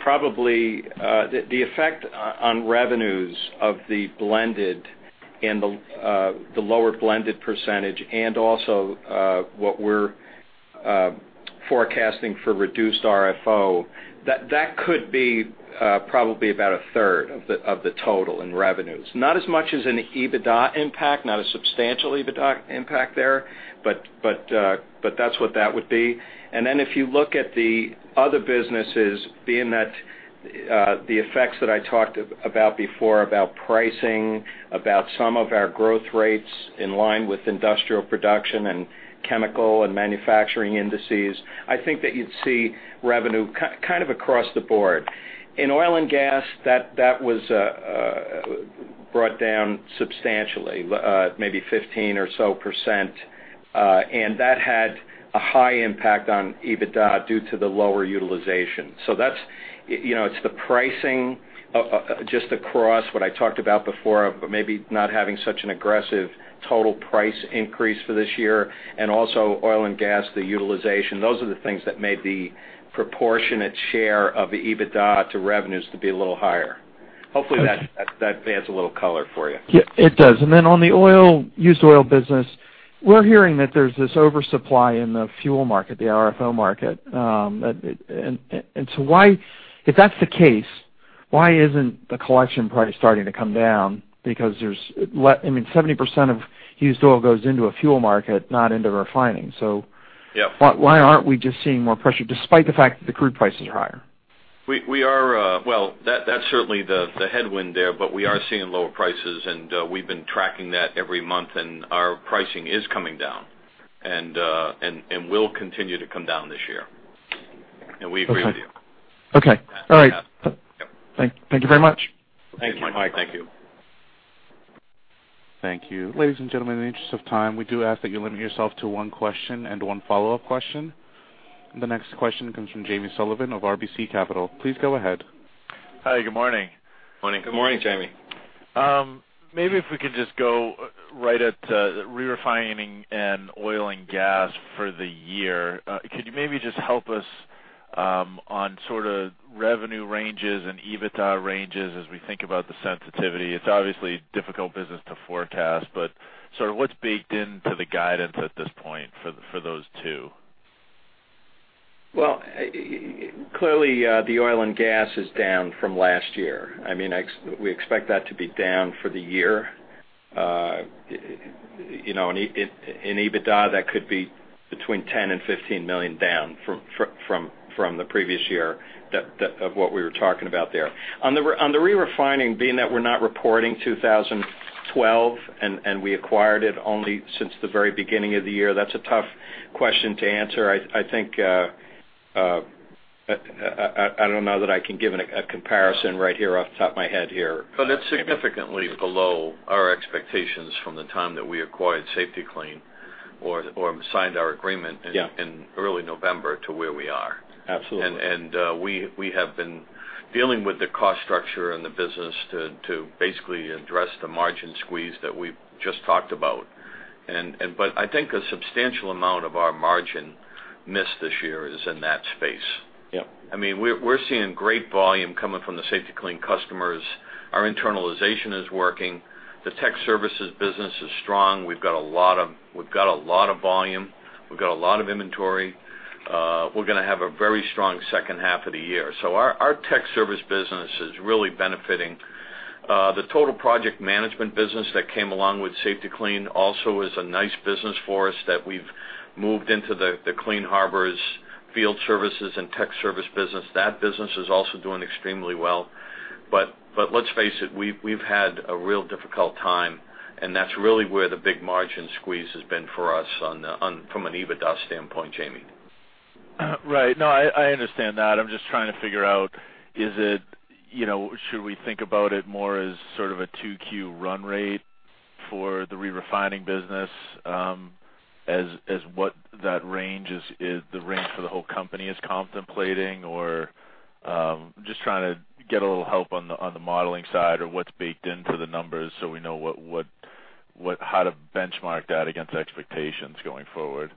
probably the effect on revenues of the blended and the lower blended percentage and also what we're forecasting for reduced RFO, that could be probably about a third of the total in revenues. Not as much as an EBITDA impact, not a substantial EBITDA impact there. But that's what that would be. And then if you look at the other businesses, being that the effects that I talked about before about pricing, about some of our growth rates in line with industrial production and chemical and manufacturing indices, I think that you'd see revenue kind of across the board. In oil and gas, that was brought down substantially, maybe 15% or so. And that had a high impact on EBITDA due to the lower utilization. It's the pricing just across what I talked about before of maybe not having such an aggressive total price increase for this year. Also oil and gas, the utilization, those are the things that made the proportionate share of the EBITDA to revenues to be a little higher. Hopefully, that adds a little color for you. Yeah. It does. And then on the used oil business, we're hearing that there's this oversupply in the fuel market, the RFO market. And so if that's the case, why isn't the collection price starting to come down? Because I mean, 70% of used oil goes into a fuel market, not into refining. So why aren't we just seeing more pressure despite the fact that the crude prices are higher? Well, that's certainly the headwind there. But we are seeing lower prices. And we've been tracking that every month. And our pricing is coming down and will continue to come down this year. And we agree with you. Okay. All right. Thank you very much. Thank you, Mike. Thank you. Thank you. Ladies and gentlemen, in the interest of time, we do ask that you limit yourself to one question and one follow-up question. The next question comes from Jamie Sullivan of RBC Capital. Please go ahead. Hi. Good morning. Good morning, Jamie. Maybe if we could just go right at re-refining and oil and gas for the year, could you maybe just help us on sort of revenue ranges and EBITDA ranges as we think about the sensitivity? It's obviously a difficult business to forecast. But sort of what's baked into the guidance at this point for those two? Well, clearly, the oil and gas is down from last year. I mean, we expect that to be down for the year. In EBITDA, that could be between $10 million and $15 million down from the previous year of what we were talking about there. On the re-refining, being that we're not reporting 2012 and we acquired it only since the very beginning of the year, that's a tough question to answer. I don't know that I can give a comparison right here off the top of my head here. But it's significantly below our expectations from the time that we acquired Safety-Kleen or signed our agreement in early November to where we are. And we have been dealing with the cost structure and the business to basically address the margin squeeze that we just talked about. But I think a substantial amount of our margin miss this year is in that space. I mean, we're seeing great volume coming from the Safety-Kleen customers. Our internalization is working. The tech services business is strong. We've got a lot of volume. We've got a lot of inventory. We're going to have a very strong second half of the year. So our tech service business is really benefiting. The total project management business that came along with Safety-Kleen also is a nice business for us that we've moved into the Clean Harbors field services and tech service business. That business is also doing extremely well. But let's face it, we've had a real difficult time. And that's really where the big margin squeeze has been for us from an EBITDA standpoint, Jamie. Right. No, I understand that. I'm just trying to figure out, should we think about it more as sort of a Q2 run rate for the re-refining business as what that range is, the range for the whole company is contemplating? Or just trying to get a little help on the modeling side or what's baked into the numbers so we know how to benchmark that against expectations going forward. Yeah.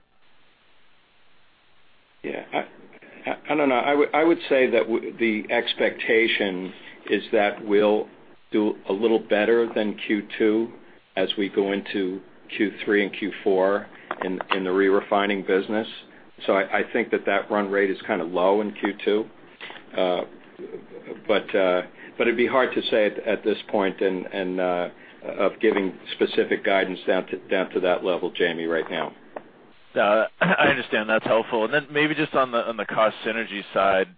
I don't know. I would say that the expectation is that we'll do a little better than Q2 as we go into Q3 and Q4 in the re-refining business. So I think that that run rate is kind of low in Q2. But it'd be hard to say at this point of giving specific guidance down to that level, Jamie, right now. I understand. That's helpful. And then maybe just on the cost synergy side,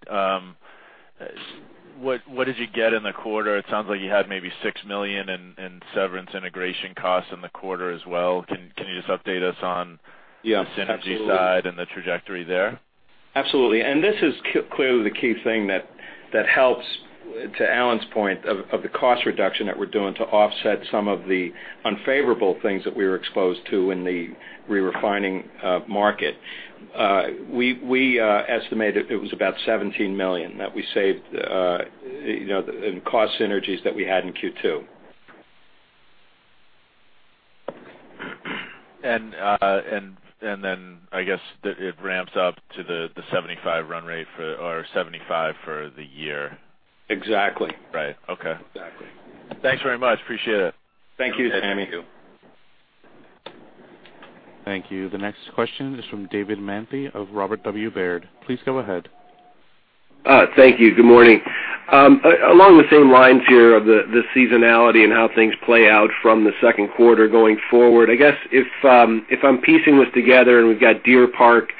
what did you get in the quarter? It sounds like you had maybe $6 million in severance integration costs in the quarter as well. Can you just update us on the synergy side and the trajectory there? Absolutely. And this is clearly the key thing that helps to Alan's point of the cost reduction that we're doing to offset some of the unfavorable things that we were exposed to in the re-refining market. We estimated it was about $17 million that we saved in cost synergies that we had in Q2. And then I guess it ramps up to the 75 run rate or 75 for the year. Exactly. Right. Okay. Exactly. Thanks very much. Appreciate it. Thank you, Jamie. Thank you. The next question is from David Manthey of Robert W. Baird. Please go ahead. Thank you. Good morning. Along the same lines here of the seasonality and how things play out from the second quarter going forward, I guess if I'm piecing this together and we've got Deer Park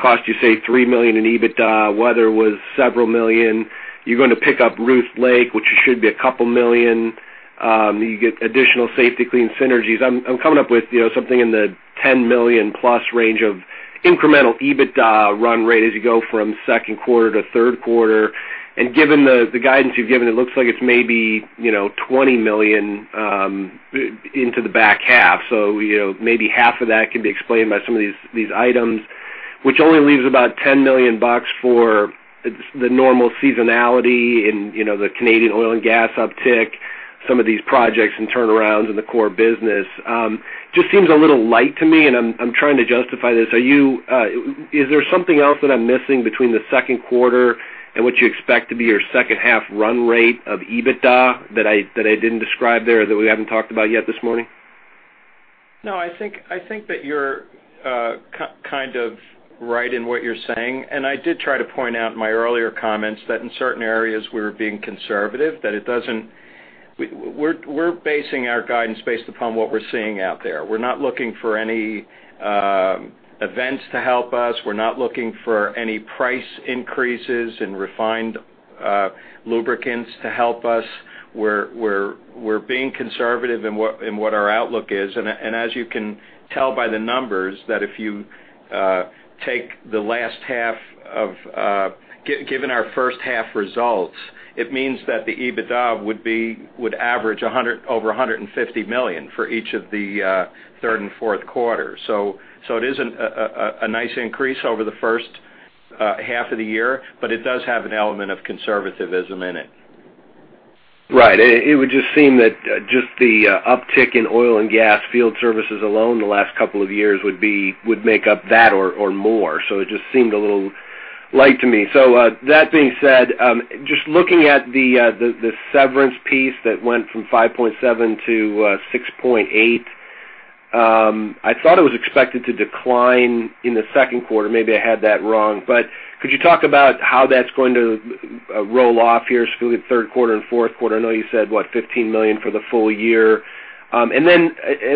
cost, you say, $3 million in EBITDA, weather was several million. You're going to pick up Ruth Lake, which should be couple million. You get additional Safety-Kleen synergies. I'm coming up with something in the $10 million+ range of incremental EBITDA run rate as you go from second quarter to third quarter. And given the guidance you've given, it looks like it's maybe $20 million into the back half. So maybe half of that can be explained by some of these items, which only leaves about $10 million for the normal seasonality in the Canadian oil and gas uptick, some of these projects and turnarounds in the core business. Just seems a little light to me. I'm trying to justify this. Is there something else that I'm missing between the second quarter and what you expect to be your second half run rate of EBITDA that I didn't describe there that we haven't talked about yet this morning? No. I think that you're kind of right in what you're saying. I did try to point out in my earlier comments that in certain areas we're being conservative, that we're basing our guidance based upon what we're seeing out there. We're not looking for any events to help us. We're not looking for any price increases in refined lubricants to help us. We're being conservative in what our outlook is. As you can tell by the numbers that if you take the last half of given our first half results, it means that the EBITDA would average over $150 million for each of the third and fourth quarters. It is a nice increase over the first half of the year. It does have an element of conservatism in it. Right. It would just seem that just the uptick in oil and gas field services alone the last couple of years would make up that or more. It just seemed a little light to me. So that being said, just looking at the severance piece that went from $5.7-$6.8, I thought it was expected to decline in the second quarter. Maybe I had that wrong. Could you talk about how that's going to roll off here? Specifically, third quarter and fourth quarter. I know you said, what, $15 million for the full year. And then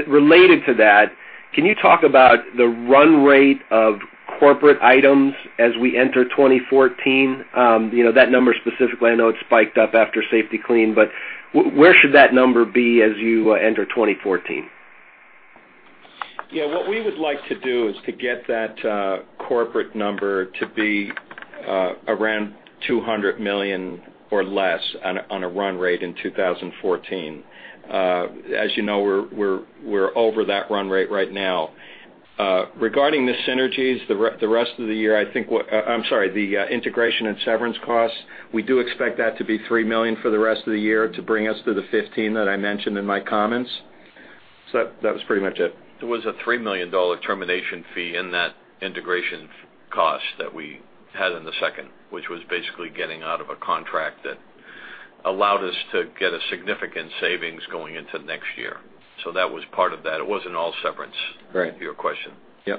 related to that, can you talk about the run rate of corporate items as we enter 2014? That number specifically, I know it spiked up after Safety-Kleen. Where should that number be as you enter 2014? Yeah. What we would like to do is to get that corporate number to be around $200 million or less on a run rate in 2014. As you know, we're over that run rate right now. Regarding the synergies, the rest of the year, I think I'm sorry, the integration and severance costs, we do expect that to be $3 million for the rest of the year to bring us to the $15 million that I mentioned in my comments. So that was pretty much it. There was a $3 million termination fee in that integration cost that we had in the second, which was basically getting out of a contract that allowed us to get a significant savings going into next year. So that was part of that. It wasn't all severance, your question. Right.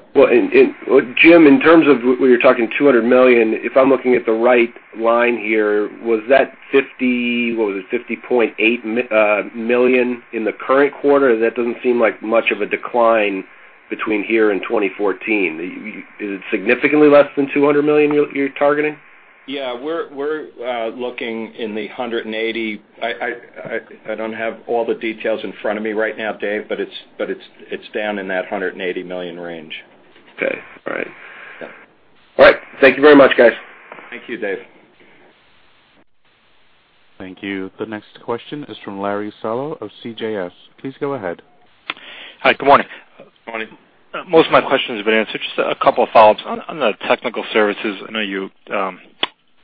Yeah. Well, Jim, in terms of what you're talking, $200 million, if I'm looking at the right line here, was that $50 million? What was it? $50.8 million in the current quarter? That doesn't seem like much of a decline between here and 2014. Is it significantly less than $200 million you're targeting? Yeah. We're looking in the $180 million. I don't have all the details in front of me right now, Dave. But it's down in that $180 million range. Okay. All right. All right. Thank you very much, guys. Thank you, Dave. Thank you. The next question is from Larry Solow of CJS. Please go ahead. Hi. Good morning. Good morning. Most of my questions have been answered. Just a couple of follow-ups. On the technical services, I know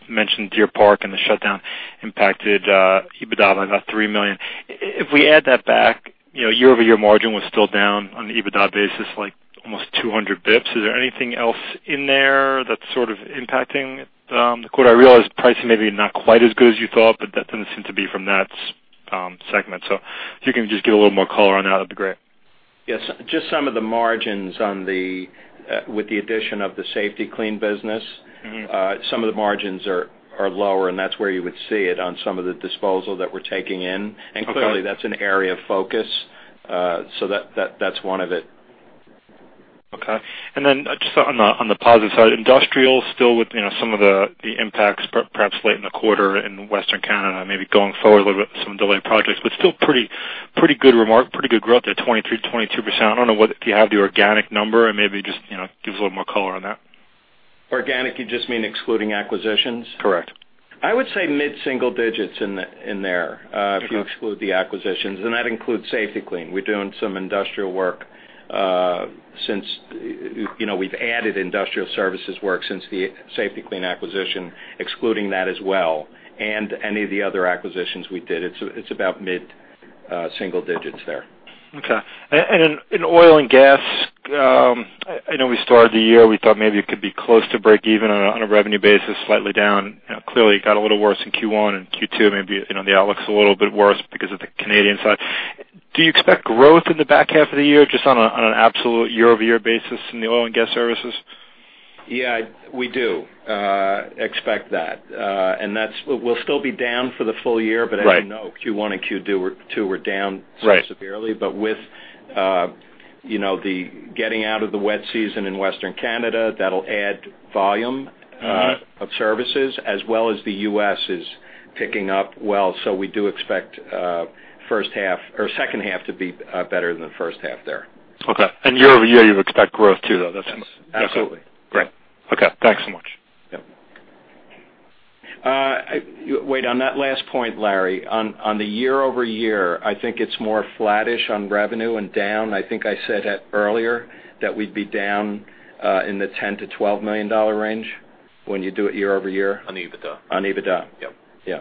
you mentioned Deer Park and the shutdown impacted EBITDA by about $3 million. If we add that back, year-over-year margin was still down on the EBITDA basis like almost 200 basis points. Is there anything else in there that's sort of impacting the quarter? I realize pricing may be not quite as good as you thought. But that doesn't seem to be from that segment. So if you can just give a little more color on that, that'd be great. Yes. Just some of the margins with the addition of the Safety-Kleen business, some of the margins are lower. And that's where you would see it on some of the disposal that we're taking in. And clearly, that's an area of focus. So that's one of it. Okay. And then just on the positive side, industrial still with some of the impacts perhaps late in the quarter in Western Canada, maybe going forward a little bit with some delayed projects. But still pretty good growth there, 23%-22%. I don't know if you have the organic number. And maybe just give us a little more color on that. Organic, you just mean excluding acquisitions? Correct. I would say mid-single digits in there if you exclude the acquisitions. That includes Safety-Kleen. We're doing some industrial work since we've added industrial services work since the Safety-Kleen acquisition, excluding that as well and any of the other acquisitions we did. It's about mid-single digits there. Okay. In oil and gas, I know we started the year, we thought maybe it could be close to break even on a revenue basis, slightly down. Clearly, it got a little worse in Q1 and Q2. Maybe the outlook's a little bit worse because of the Canadian side. Do you expect growth in the back half of the year just on an absolute year-over-year basis in the oil and gas services? Yeah. We do expect that. And we'll still be down for the full year. But as you know, Q1 and Q2 were down severely. But with the getting out of the wet season in Western Canada, that'll add volume of services as well as the U.S. is picking up well. So we do expect second half to be better than the first half there. Okay. Year-over-year, you expect growth too, though? That's correct? Absolutely. Great. Okay. Thanks so much. Wait. On that last point, Larry, on the year-over-year, I think it's more flattish on revenue and down. I think I said that earlier that we'd be down in the $10 million-$12 million range when you do it year-over-year. On EBITDA? On EBITDA. Yep. Yeah.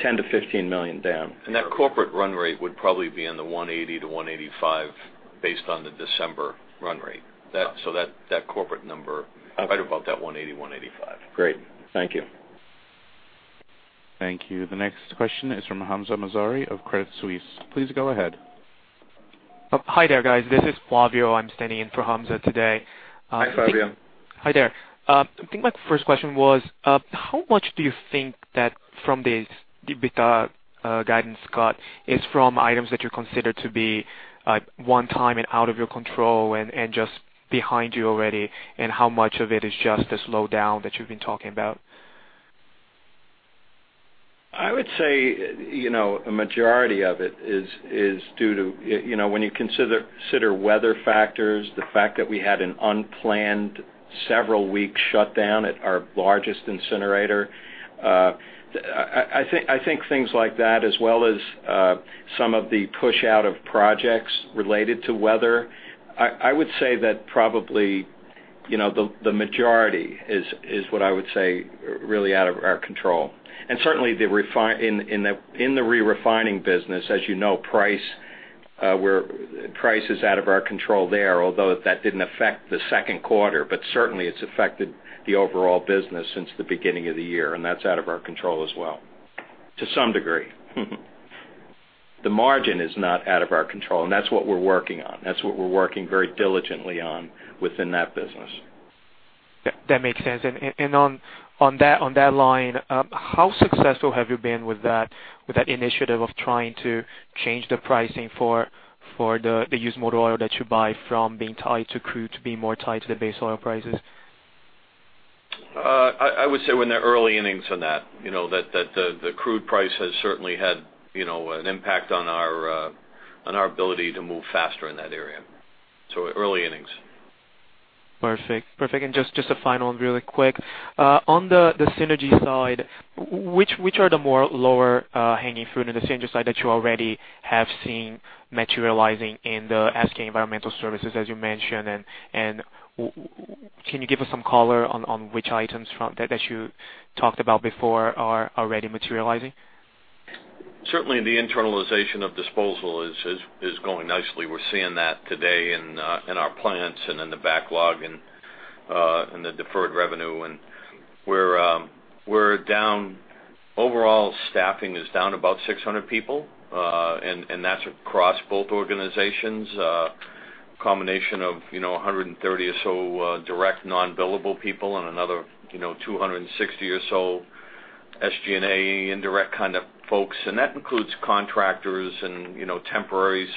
$10 million-$15 million down. That corporate run rate would probably be in the $180-$185 based on the December run rate. That corporate number, right about that $180-$185. Great. Thank you. Thank you. The next question is from Hamza Mazari of Credit Suisse. Please go ahead. Hi, there guys. This is Flavio. I'm standing in for Hamza today. Hi, Flavio. Hi, there. I think my first question was, how much do you think that from the EBITDA guidance got is from items that you consider to be one-time and out of your control and just behind you already? And how much of it is just the slowdown that you've been talking about? I would say a majority of it is due to when you consider weather factors, the fact that we had an unplanned several-week shutdown at our largest incinerator. I think things like that as well as some of the push-out of projects related to weather. I would say that probably the majority is what I would say really out of our control. And certainly, in the re-refining business, as you know, price is out of our control there, although that didn't affect the second quarter. But certainly, it's affected the overall business since the beginning of the year. And that's out of our control as well to some degree. The margin is not out of our control. And that's what we're working on. That's what we're working very diligently on within that business. That makes sense. On that line, how successful have you been with that initiative of trying to change the pricing for the used motor oil that you buy from being tied to crude to be more tied to the base oil prices? I would say we're in the early innings on that. The crude price has certainly had an impact on our ability to move faster in that area. So early innings. Perfect. Perfect. Just a final one really quick. On the synergy side, which are the more lower-hanging fruit on the synergy side that you already have seen materializing in the SK Environmental Services, as you mentioned? Can you give us some color on which items that you talked about before are already materializing? Certainly, the internalization of disposal is going nicely. We're seeing that today in our plants and in the backlog and the deferred revenue. We're down overall, staffing is down about 600 people. That's across both organizations. A combination of 130 or so direct non-billable people and another 260 or so SG&A indirect kind of folks. That includes contractors and temporary.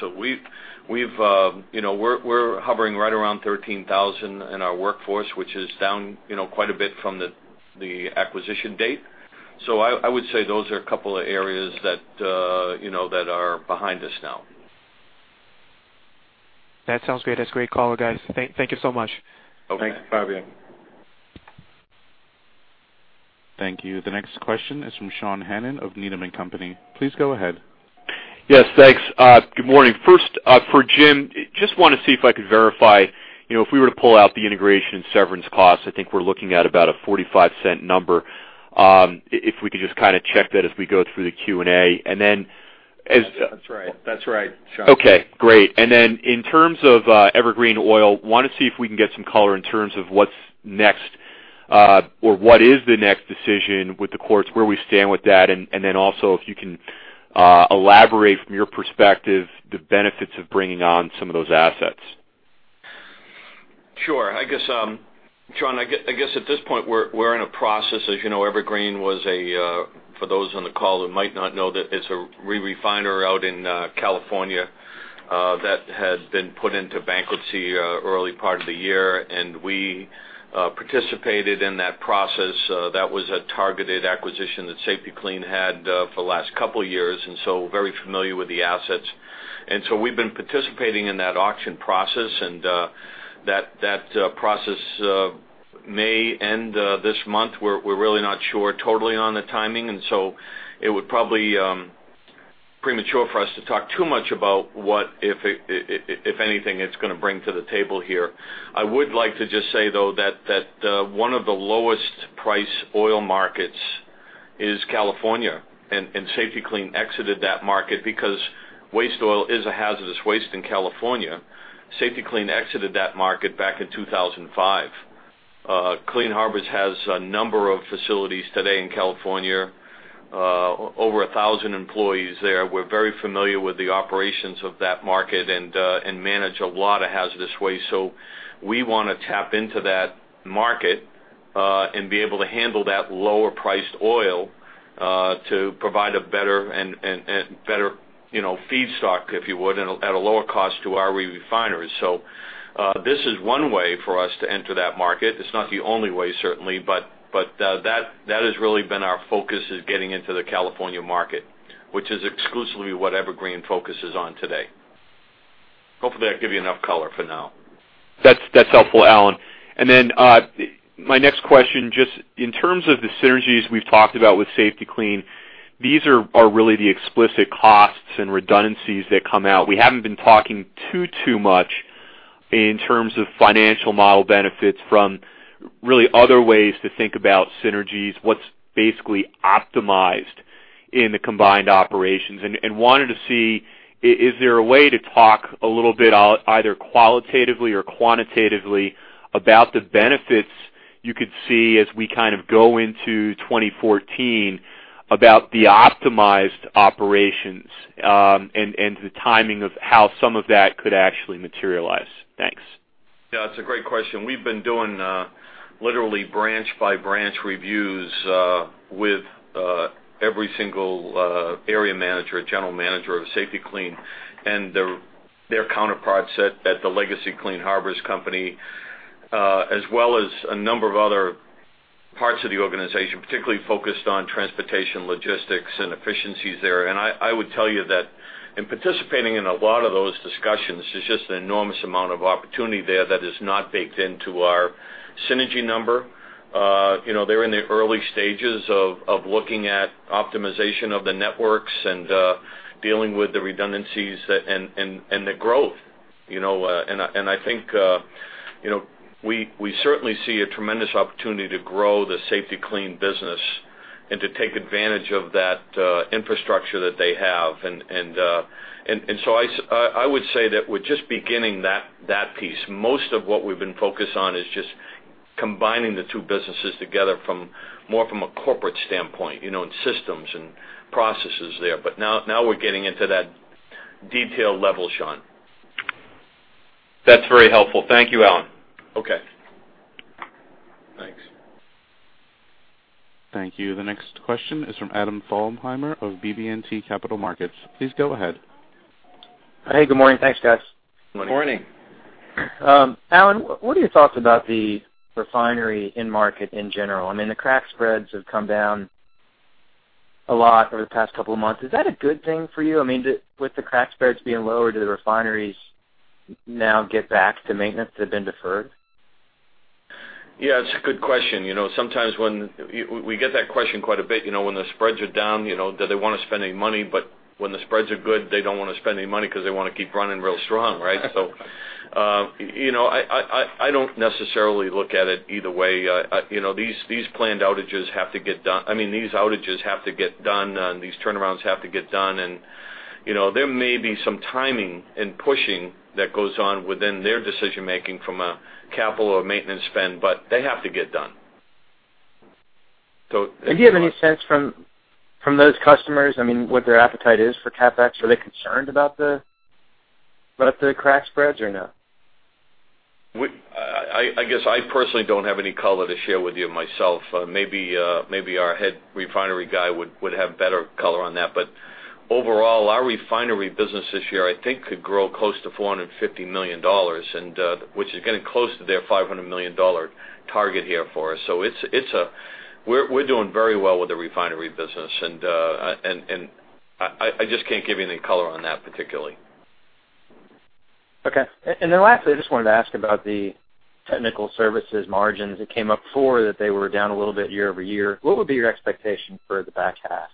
We're hovering right around 13,000 in our workforce, which is down quite a bit from the acquisition date. I would say those are a couple of areas that are behind us now. That sounds great. That's great call, guys. Thank you so much. Thanks, Flavio. Thank you. The next question is from Sean Hannan of Needham & Company. Please go ahead. Yes. Thanks. Good morning. First, for Jim, just want to see if I could verify if we were to pull out the integration and severance costs, I think we're looking at about a $0.45 number. If we could just kind of check that as we go through the Q&A. And then. That's right. That's right, Sean. Okay. Great. And then in terms of Evergreen Oil, want to see if we can get some color in terms of what's next or what is the next decision with the courts, where we stand with that. And then also if you can elaborate from your perspective the benefits of bringing on some of those assets. Sure. Sean, I guess at this point, we're in a process. As you know, Evergreen was a for those on the call who might not know, it's a re-refiner out in California that had been put into bankruptcy early part of the year. And we participated in that process. That was a targeted acquisition that Safety-Kleen had for the last couple of years. And so very familiar with the assets. And so we've been participating in that auction process. And that process may end this month. We're really not sure totally on the timing. And so it would probably be premature for us to talk too much about what, if anything, it's going to bring to the table here. I would like to just say, though, that one of the lowest-priced oil markets is California. Safety-Kleen exited that market because waste oil is a hazardous waste in California. Safety-Kleen exited that market back in 2005. Clean Harbors has a number of facilities today in California, over 1,000 employees there. We're very familiar with the operations of that market and manage a lot of hazardous waste. We want to tap into that market and be able to handle that lower-priced oil to provide a better feedstock, if you would, at a lower cost to our re-refiners. This is one way for us to enter that market. It's not the only way, certainly. That has really been our focus is getting into the California market, which is exclusively what Evergreen focuses on today. Hopefully, that gives you enough color for now. That's helpful, Alan. And then my next question, just in terms of the synergies we've talked about with Safety-Kleen, these are really the explicit costs and redundancies that come out. We haven't been talking too, too much in terms of financial model benefits from really other ways to think about synergies, what's basically optimized in the combined operations. And wanted to see, is there a way to talk a little bit either qualitatively or quantitatively about the benefits you could see as we kind of go into 2014 about the optimized operations and the timing of how some of that could actually materialize? Thanks. Yeah. That's a great question. We've been doing literally branch-by-branch reviews with every single area manager, general manager of Safety-Kleen and their counterparts at the Legacy Clean Harbors company, as well as a number of other parts of the organization, particularly focused on transportation, logistics, and efficiencies there. And I would tell you that in participating in a lot of those discussions, there's just an enormous amount of opportunity there that is not baked into our synergy number. They're in the early stages of looking at optimization of the networks and dealing with the redundancies and the growth. And I think we certainly see a tremendous opportunity to grow the Safety-Kleen business and to take advantage of that infrastructure that they have. And so I would say that with just beginning that piece, most of what we've been focused on is just combining the two businesses together more from a corporate standpoint and systems and processes there. But now we're getting into that detailed level, Sean. That's very helpful. Thank you, Alan. Okay. Thanks. Thank you. The next question is from Adam Thalhimer of BB&T Capital Markets. Please go ahead. Hey. Good morning. Thanks, guys. Good morning. Alan, what are your thoughts about the refinery end-market in general? I mean, the crack spreads have come down a lot over the past couple of months. Is that a good thing for you? I mean, with the crack spreads being lower, do the refineries now get back to maintenance that have been deferred? Yeah. It's a good question. Sometimes when we get that question quite a bit, when the spreads are down, they want to spend any money. But when the spreads are good, they don't want to spend any money because they want to keep running real strong, right? So I don't necessarily look at it either way. These planned outages have to get done. I mean, these outages have to get done. These turnarounds have to get done. And there may be some timing and pushing that goes on within their decision-making from a capital or maintenance spend. But they have to get done. Do you have any sense from those customers, I mean, what their appetite is for CapEx? Are they concerned about the crack spreads or no? I guess I personally don't have any color to share with you myself. Maybe our head refinery guy would have better color on that. But overall, our refinery business this year, I think, could grow close to $450 million, which is getting close to their $500 million target here for us. So we're doing very well with the refinery business. And I just can't give you any color on that particularly. Okay. And then lastly, I just wanted to ask about the technical services margins. It came up before that they were down a little bit year-over-year. What would be your expectation for the back half?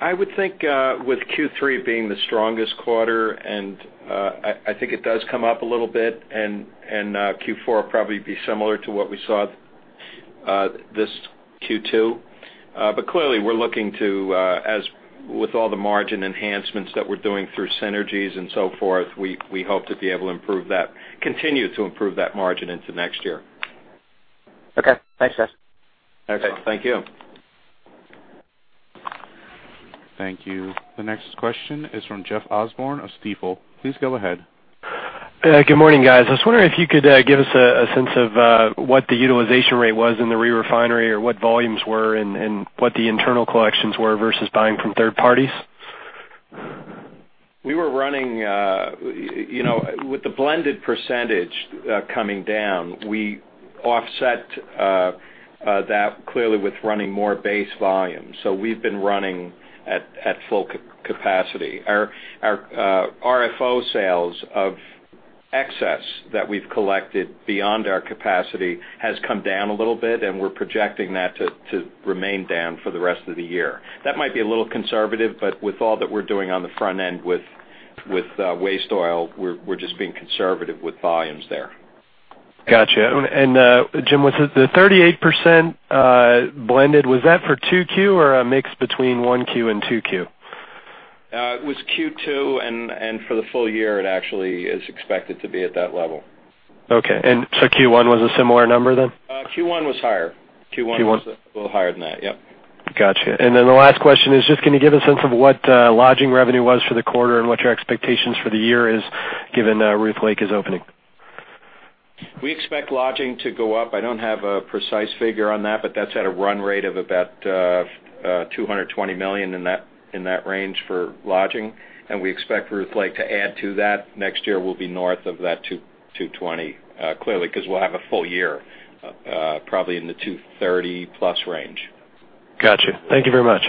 I would think with Q3 being the strongest quarter, and I think it does come up a little bit. And Q4 will probably be similar to what we saw this Q2. But clearly, we're looking to, with all the margin enhancements that we're doing through synergies and so forth, we hope to be able to continue to improve that margin into next year. Okay. Thanks, guys. Excellent. Thank you. Thank you. The next question is from Jeff Osborne of Stifel. Please go ahead. Good morning, guys. I was wondering if you could give us a sense of what the utilization rate was in the re-refinery or what volumes were and what the internal collections were versus buying from third parties? We were running with the blended percentage coming down. We offset that clearly with running more base volume. So we've been running at full capacity. Our RFO sales of excess that we've collected beyond our capacity has come down a little bit. And we're projecting that to remain down for the rest of the year. That might be a little conservative. But with all that we're doing on the front end with waste oil, we're just being conservative with volumes there. Gotcha. Jim, was the 38% blended, was that for Q2 or a mix between Q1 and Q2? It was Q2. For the full year, it actually is expected to be at that level. Okay. And so Q1 was a similar number then? Q1 was higher. Q1 was a little higher than that. Yep. Gotcha. And then the last question is just can you give a sense of what lodging revenue was for the quarter and what your expectations for the year is given Ruth Lake is opening? We expect lodging to go up. I don't have a precise figure on that. But that's at a run rate of about $220 million in that range for lodging. And we expect Ruth Lake to add to that. Next year, we'll be north of that $220 million clearly because we'll have a full year probably in the $230 million+ range. Gotcha. Thank you very much.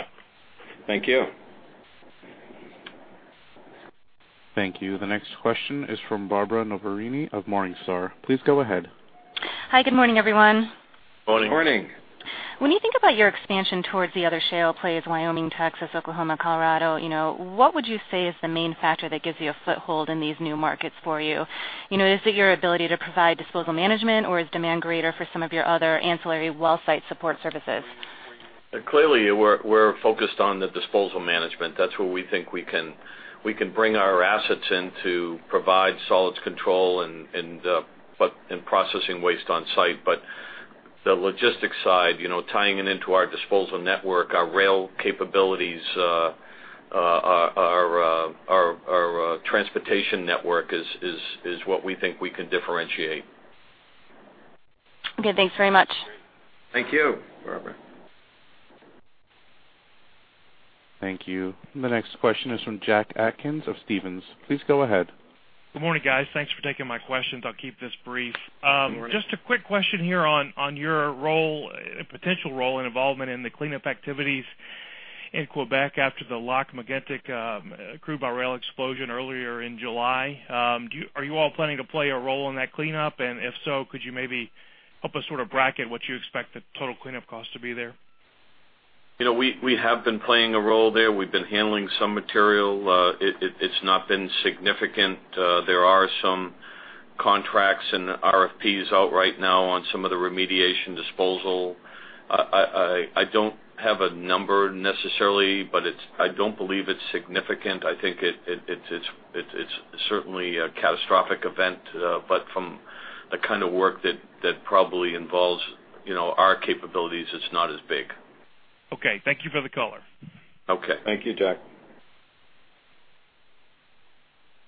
Thank you. Thank you. The next question is from Barbara Noverini of Morningstar. Please go ahead. Hi. Good morning, everyone. Morning. Morning. When you think about your expansion towards the other shale plays, Wyoming, Texas, Oklahoma, Colorado, what would you say is the main factor that gives you a foothold in these new markets for you? Is it your ability to provide disposal management, or is demand greater for some of your other ancillary well site support services? Clearly, we're focused on the disposal management. That's where we think we can bring our assets in to provide solids control and processing waste on site. But the logistics side, tying it into our disposal network, our rail capabilities, our transportation network is what we think we can differentiate. Okay. Thanks very much. Thank you, Barbara. Thank you. The next question is from Jack Atkins of Stephens. Please go ahead. Good morning, guys. Thanks for taking my questions. I'll keep this brief. Good morning. Just a quick question here on your role, potential role and involvement in the cleanup activities in Quebec after the Lac-Mégantic crude-by-rail explosion earlier in July. Are you all planning to play a role in that cleanup? And if so, could you maybe help us sort of bracket what you expect the total cleanup cost to be there? We have been playing a role there. We've been handling some material. It's not been significant. There are some contracts and RFPs out right now on some of the remediation disposal. I don't have a number necessarily, but I don't believe it's significant. I think it's certainly a catastrophic event. But from the kind of work that probably involves our capabilities, it's not as big. Okay. Thank you for the color. Okay. Thank you, Jack.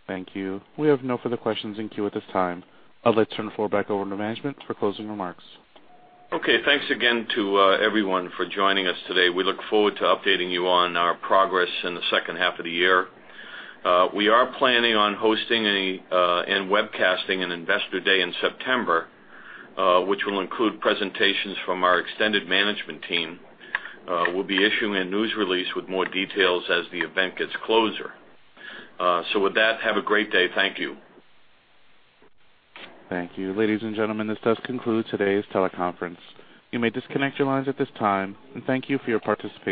Thank you. We have no further questions in queue at this time. I'll turn it back over to management for closing remarks. Okay. Thanks again to everyone for joining us today. We look forward to updating you on our progress in the second half of the year. We are planning on hosting and webcasting an investor day in September, which will include presentations from our extended management team. We'll be issuing a news release with more details as the event gets closer. With that, have a great day. Thank you. Thank you. Ladies and gentlemen, this does conclude today's teleconference. You may disconnect your lines at this time. Thank you for your participation.